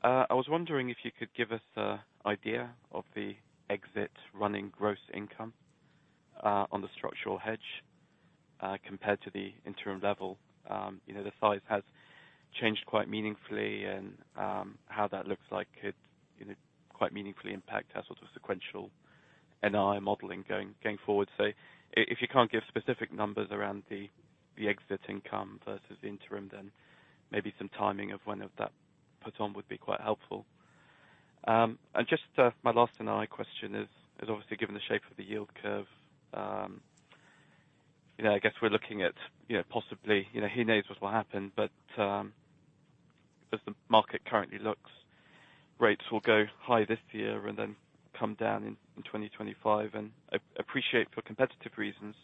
I was wondering if you could give us an idea of the exit running gross income on the structural hedge compared to the interim level. You know, the size has changed quite meaningfully and how that looks like it, you know, quite meaningfully impact our sort of sequential NII modeling going forward. If you can't give specific numbers around the exit income versus interim, then maybe some timing of when of that put on would be quite helpful. Just, my last NI question is obviously given the shape of the yield curve, you know, I guess we're looking at, you know, possibly, you know, who knows what will happen, but, as the market currently looks, rates will go high this year and then come down in 2025. Appreciate for competitive reasons,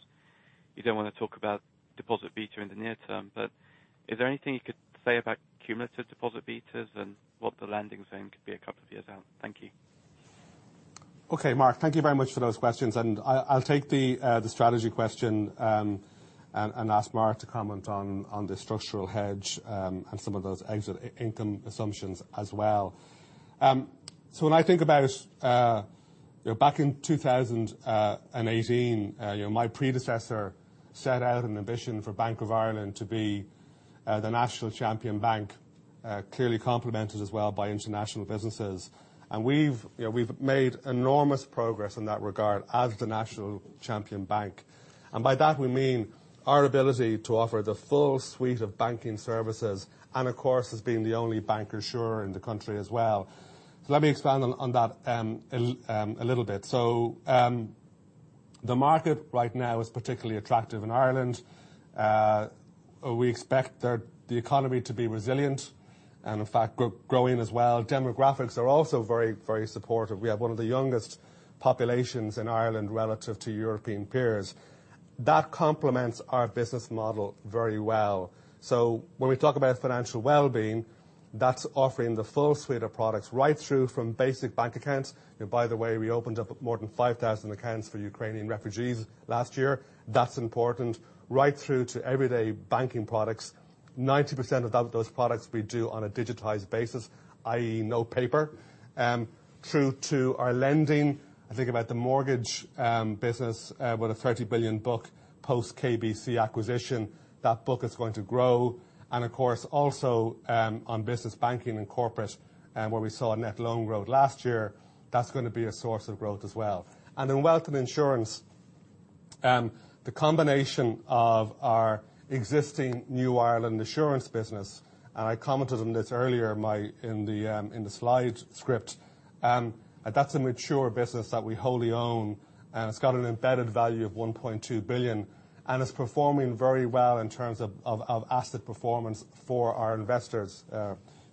you don't wanna talk about deposit beta in the near term, but is there anything you could say about cumulative deposit betas and what the landing zone could be a couple of years out? Thank you. Okay. Omar, thank you very much for those questions. I'll take the strategy question and ask Mark to comment on the structural hedge and some of those exit income assumptions as well. When I think about, you know, back in 2018, you know, my predecessor set out an ambition for Bank of Ireland to be the national champion bank, clearly complemented as well by international businesses. We've, you know, we've made enormous progress in that regard as the national champion bank. By that, we mean our ability to offer the full suite of banking services and of course, as being the only bankers here in the country as well. Let me expand on that a little bit. The market right now is particularly attractive in Ireland. We expect the economy to be resilient and, in fact, growing as well. Demographics are also very, very supportive. We have one of the youngest populations in Ireland relative to European peers. That complements our business model very well. When we talk about financial well-being, that's offering the full suite of products right through from basic bank accounts. By the way, we opened up more than 5,000 accounts for Ukrainian refugees last year. That's important. Right through to everyday banking products. 90% of those products we do on a digitized basis, i.e., no paper. Through to our lending. I think about the mortgage business with a 30 billion book post KBC acquisition. That book is going to grow. Of course, also, on business banking and corporate, where we saw net loan growth last year, that's gonna be a source of growth as well. In wealth and insurance, the combination of our existing New Ireland Assurance business, and I commented on this earlier in my, in the slide script. That's a mature business that we wholly own, and it's got an embedded value of 1.2 billion, and it's performing very well in terms of asset performance for our investors,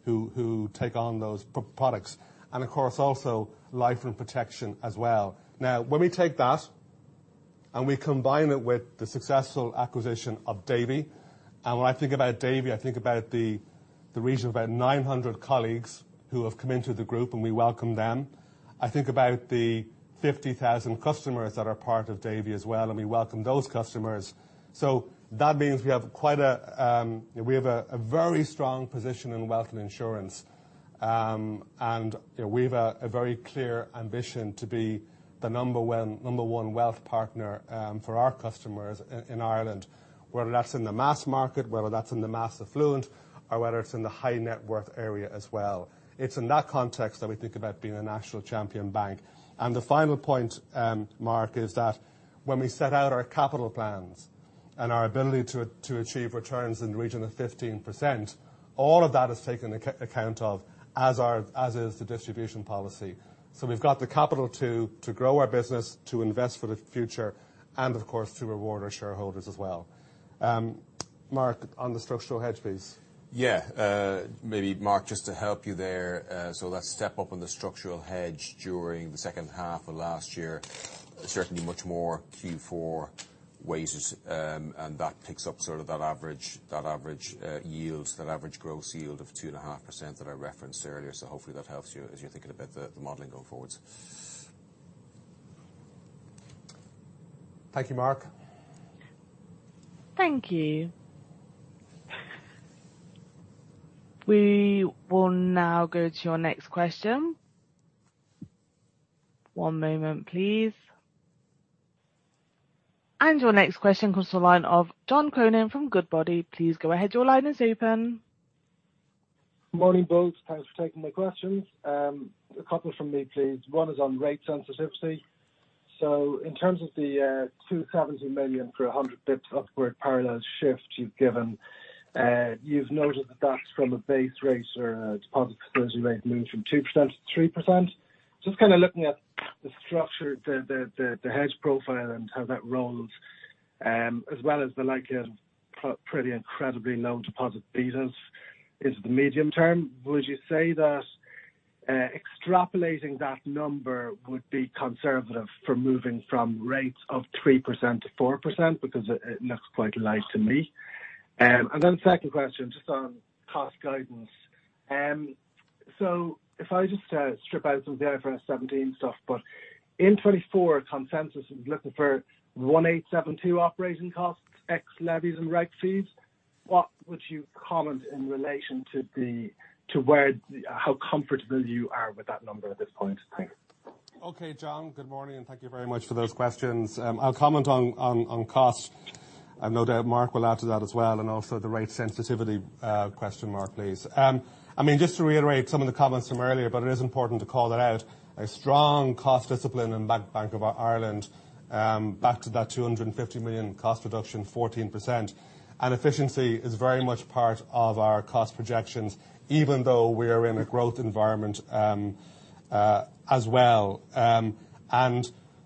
who take on those products. Of course, also life and protection as well. When we take that, we combine it with the successful acquisition of Davy, when I think about Davy, I think about the region of our 900 colleagues who have come into the group, we welcome them. I think about the 50,000 customers that are part of Davy as well, we welcome those customers. That means we have quite a very strong position in wealth and insurance. You know, we've a very clear ambition to be the number one wealth partner for our customers in Ireland, whether that's in the mass market, whether that's in the mass affluent, or whether it's in the high net worth area as well. It's in that context that we think about being a national champion bank. The final point, Omar, is that when we set out our capital plans and our ability to achieve returns in the region of 15%, all of that is taken account of, as is the distribution policy. We've got the capital to grow our business, to invest for the future, and of course, to reward our shareholders as well. Mark, on the structural hedge, please. Yeah. Maybe Mark, just to help you there, let's step up on the structural hedge during the second half of last year. Certainly much more Q4 weighted, and that picks up sort of that average, that average yield, that average gross yield of 2.5% that I referenced earlier. Hopefully that helps you as you're thinking about the modeling going forwards. Thank you, Mark. Thank you. We will now go to your next question. One moment, please. Your next question comes to the line of John Cronin from Goodbody. Please go ahead. Your line is open. Morning, folks. Thanks for taking my questions. A couple from me, please. One is on rate sensitivity. In terms of the 270 million for 100 basis points upward parallel shift you've given, you've noted that that's from a base rate or a deposit exposure rate moving from 2% to 3%. Just kind of looking at the structure, the hedge profile and how that rolls, as well as the likelihood of pretty incredibly low deposit betas into the medium term, would you say that extrapolating that number would be conservative for moving from rates of 3% to 4%? Because it looks quite light to me. Second question, just on cost guidance. If I just strip out some of the IFRS 17 stuff, in 2024, consensus is looking for 1,872 operating costs, ex levies and reg fees. What would you comment in relation to the, to where, how comfortable you are with that number at this point? Thanks. Okay. John, good morning, and thank you very much for those questions. I'll comment on cost. I've no doubt Mark will add to that as well, and also the rate sensitivity question, Mark, please. I mean, just to reiterate some of the comments from earlier, but it is important to call that out, a strong cost discipline in Bank of Ireland, back to that 250 million cost reduction, 14%. Efficiency is very much part of our cost projections, even though we are in a growth environment as well.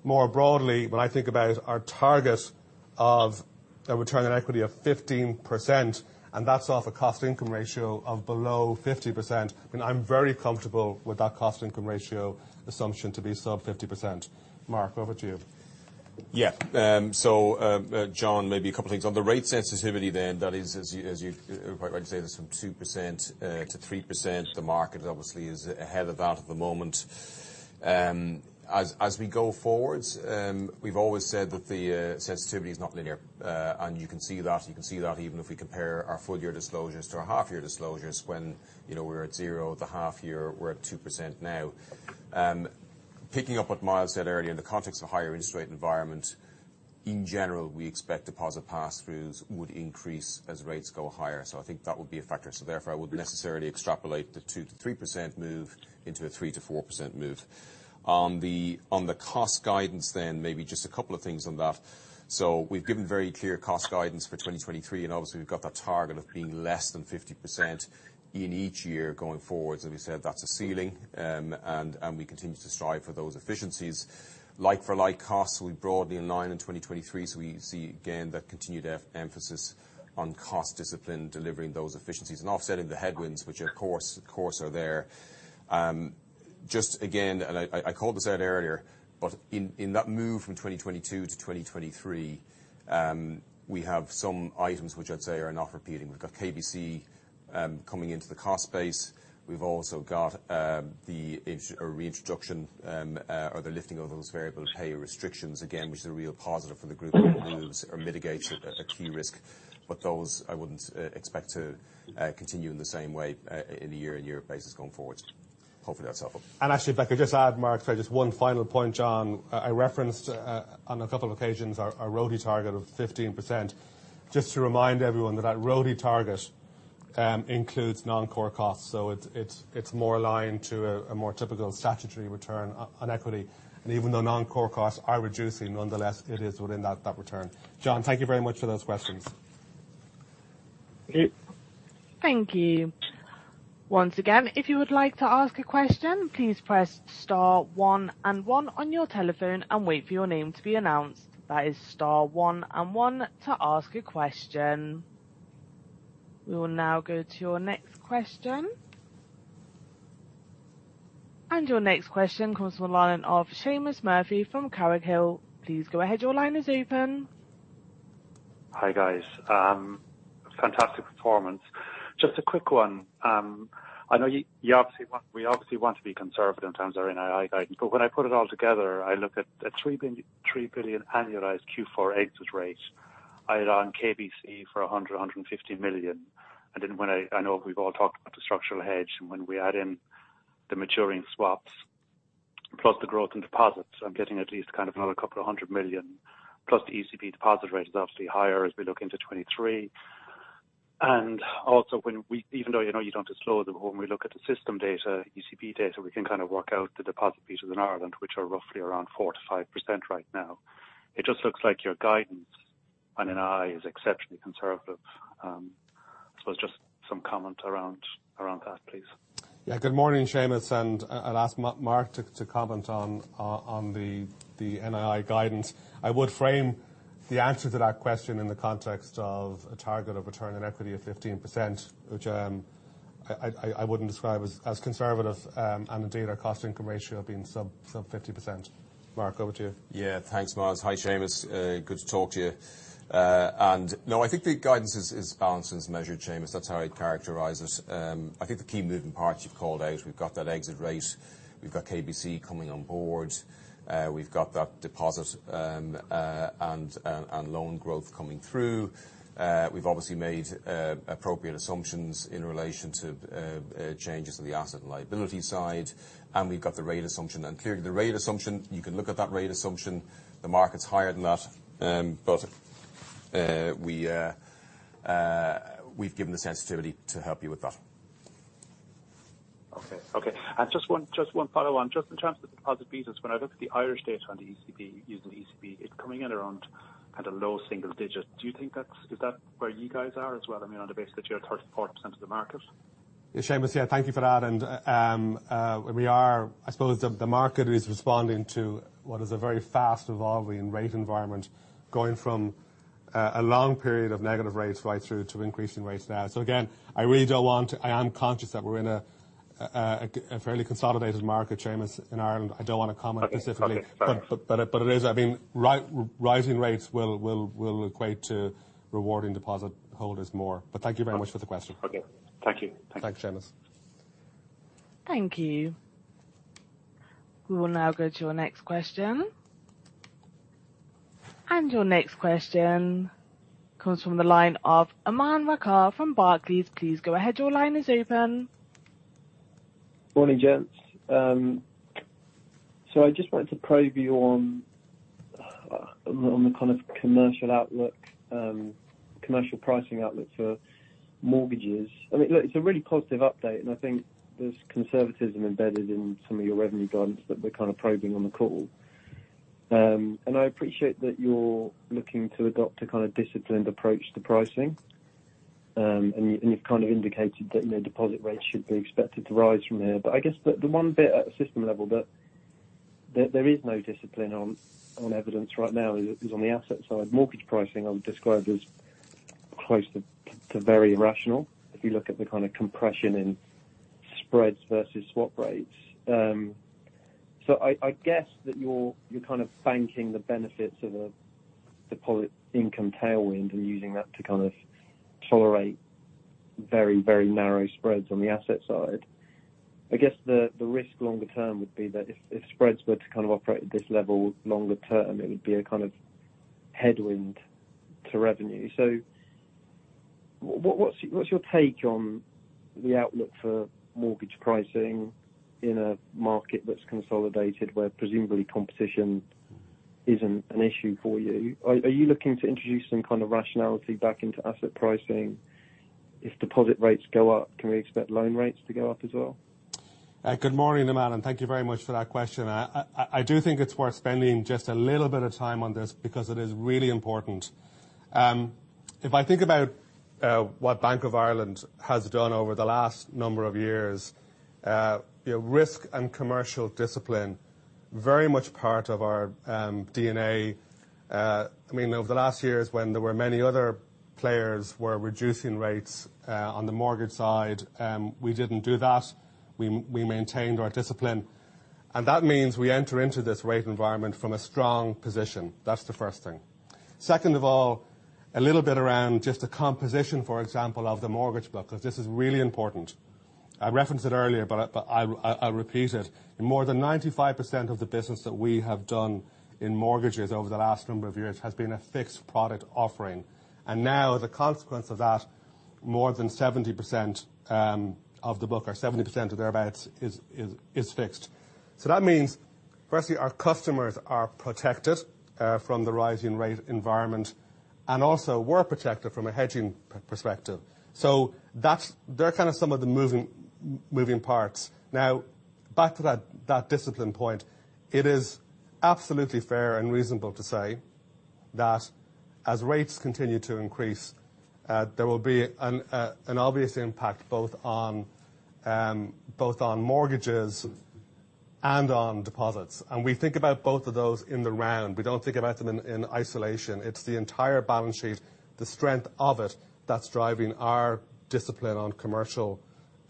More broadly, when I think about our target of a return on equity of 15%, and that's off a cost-income ratio of below 50%, and I'm very comfortable with that cost-income ratio assumption to be sub 50%. Mark, over to you. John, maybe a couple things. On the rate sensitivity then, that is, as you quite rightly say, it's from 2% to 3%. The market obviously is ahead of that at the moment. As we go forwards, we've always said that the sensitivity is not linear. And you can see that even if we compare our full year disclosures to our half year disclosures when, you know, we're at zero, the half year, we're at 2% now. Picking up what Myles said earlier in the context of a higher interest rate environment, in general, we expect deposit pass-throughs would increase as rates go higher. I think that would be a factor. Therefore, I wouldn't necessarily extrapolate the 2%-3% move into a 3%-4% move. On the cost guidance then, maybe just a couple of things on that. We've given very clear cost guidance for 2023, and obviously, we've got that target of being less than 50% in each year going forwards. As we said, that's a ceiling. And we continue to strive for those efficiencies. Like for like costs, we broadly align in 2023, so we see again that continued emphasis on cost discipline, delivering those efficiencies and offsetting the headwinds, which of course are there. Just again, and I called this out earlier, but in that move from 2022 to 2023, we have some items which I'd say are not repeating. We've got KBC coming into the cost base. We've also got the reintroduction or the lifting of those variable pay restrictions again, which is a real positive for the group. It removes or mitigates a key risk. Those I wouldn't expect to continue in the same way in a year-on-year basis going forward. Hopefully, that's helpful. Actually, if I could just add Mark. Sorry, just one final point, John. I referenced on a couple of occasions our ROTE target of 15%. Just to remind everyone that that ROTE target includes non-core costs, so it's more aligned to a more typical statutory return on equity. Even though non-core costs are reducing, nonetheless, it is within that return. John, thank you very much for those questions. Okay. Thank you. Once again, if you would like to ask a question, please press star 1 and 1 on your telephone and wait for your name to be announced. That is star 1 and 1 to ask a question. We will now go to your next question. Your next question comes from the line of Seamus Murphy from Carraighill. Please go ahead. Your line is open. Hi, guys. fantastic performance. Just a quick one. I know you obviously want, we obviously want to be conservative in terms of our NII guidance, but when I put it all together, I look at a 3 billion annualized Q4 exit rates. I add on KBC for 150 million. Then I know we've all talked about the structural hedge, and when we add in the maturing swaps plus the growth in deposits, I'm getting at least kind of another 200 million, plus the ECB deposit rate is obviously higher as we look into 2023. Also, when we even though I know you don't disclose them, when we look at the system data, ECB data, we can kind of work out the deposit pieces in Ireland, which are roughly around 4%-5% right now. It just looks like your guidance on NII is exceptionally conservative. I suppose just some comment around that, please. Yeah. Good morning, Seamus. I'll ask Mark to comment on the NII guidance. I would frame the answer to that question in the context of a target of return on equity of 15%. Which I wouldn't describe as conservative, indeed our cost-income ratio being sub 50%. Mark, over to you. Yeah. Thanks, Myles. Hi, Seamus. Good to talk to you. No, I think the guidance is balanced and it's measured, Seamus. That's how I'd characterize it. I think the key moving parts you've called out, we've got that exit rate. We've got KBC coming on board. We've got that deposit, and loan growth coming through. We've obviously made appropriate assumptions in relation to changes in the asset and liability side, and we've got the rate assumption. Clearly, the rate assumption, you can look at that rate assumption, the market's higher than that. We've given the sensitivity to help you with that. Okay. Okay. Just one follow on. Just in terms of the deposit pieces, when I look at the Irish data on the ECB, using the ECB, it's coming in around at a low single digit. Do you think is that where you guys are as well? I mean, on the basis that you're at 34% of the market. Yeah, Seamus. Yeah, thank you for that. I suppose the market is responding to what is a very fast evolving rate environment, going from a long period of negative rates right through to increasing rates now. Again, I am conscious that we're in a fairly consolidated market, Seamus, in Ireland. I don't wanna comment specifically. Okay. Fair enough. It is. I mean, rising rates will equate to rewarding deposit holders more. Thank you very much for the question. Okay. Thank you. Thanks, Seamus. Thank you. We will now go to your next question. Your next question comes from the line of Aman Rakkar from Barclays. Please go ahead. Your line is open. Morning, gents. I just wanted to probe you on the kind of commercial outlook, commercial pricing outlook for mortgages. I mean, look, it's a really positive update, and I think there's conservatism embedded in some of your revenue guidance that we're kind of probing on the call. I appreciate that you're looking to adopt a kind of disciplined approach to pricing. You've kind of indicated that, you know, deposit rates should be expected to rise from here. I guess the one bit at system level that there is no discipline on evidence right now is on the asset side. Mortgage pricing, I would describe as close to very irrational, if you look at the kind of compression in spreads versus swap rates. I guess that you're kind of banking the benefits of a deposit income tailwind and using that to kind of tolerate very, very narrow spreads on the asset side. I guess the risk longer term would be that if spreads were to kind of operate at this level longer term, it would be a kind of headwind to revenue. What's your take on the outlook for mortgage pricing in a market that's consolidated where presumably competition isn't an issue for you? Are you looking to introduce some kind of rationality back into asset pricing? If deposit rates go up, can we expect loan rates to go up as well? Good morning, Aman, thank you very much for that question. I do think it's worth spending just a little bit of time on this because it is really important. If I think about what Bank of Ireland has done over the last number of years, you know, risk and commercial discipline. Very much part of our DNA. I mean, over the last years, when there were many other players were reducing rates on the mortgage side, we didn't do that. We maintained our discipline, that means we enter into this rate environment from a strong position. That's the first thing. Second of all, a little bit around just the composition, for example, of the mortgage book, 'cause this is really important. I referenced it earlier, I'll repeat it. In more than 95% of the business that we have done in mortgages over the last number of years has been a fixed product offering. The consequence of that, more than 70% of the book or 70% or thereabouts is fixed. That means, firstly, our customers are protected from the rising rate environment, and also we're protected from a hedging perspective. They're kind of some of the moving parts. Back to that discipline point. It is absolutely fair and reasonable to say that as rates continue to increase, there will be an obvious impact both on mortgages and on deposits. We think about both of those in the round. We don't think about them in isolation. It's the entire balance sheet, the strength of it, that's driving our discipline on commercial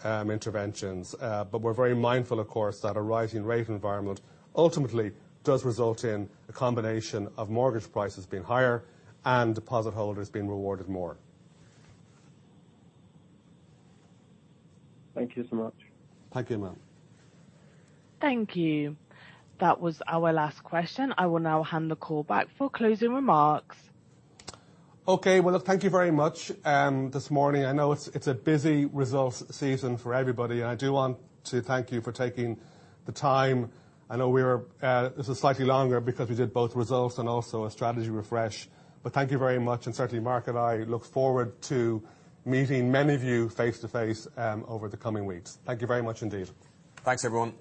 interventions. We're very mindful, of course, that a rising rate environment ultimately does result in a combination of mortgage prices being higher and deposit holders being rewarded more. Thank you so much. Thank you, Aman. Thank you. That was our last question. I will now hand the call back for closing remarks. Okay. Well, look, thank you very much. This morning, I know it's a busy results season for everybody. I do want to thank you for taking the time. I know we were, this is slightly longer because we did both results and also a strategy refresh. Thank you very much, and certainly Mark and I look forward to meeting many of you face to face, over the coming weeks. Thank you very much indeed. Thanks, everyone.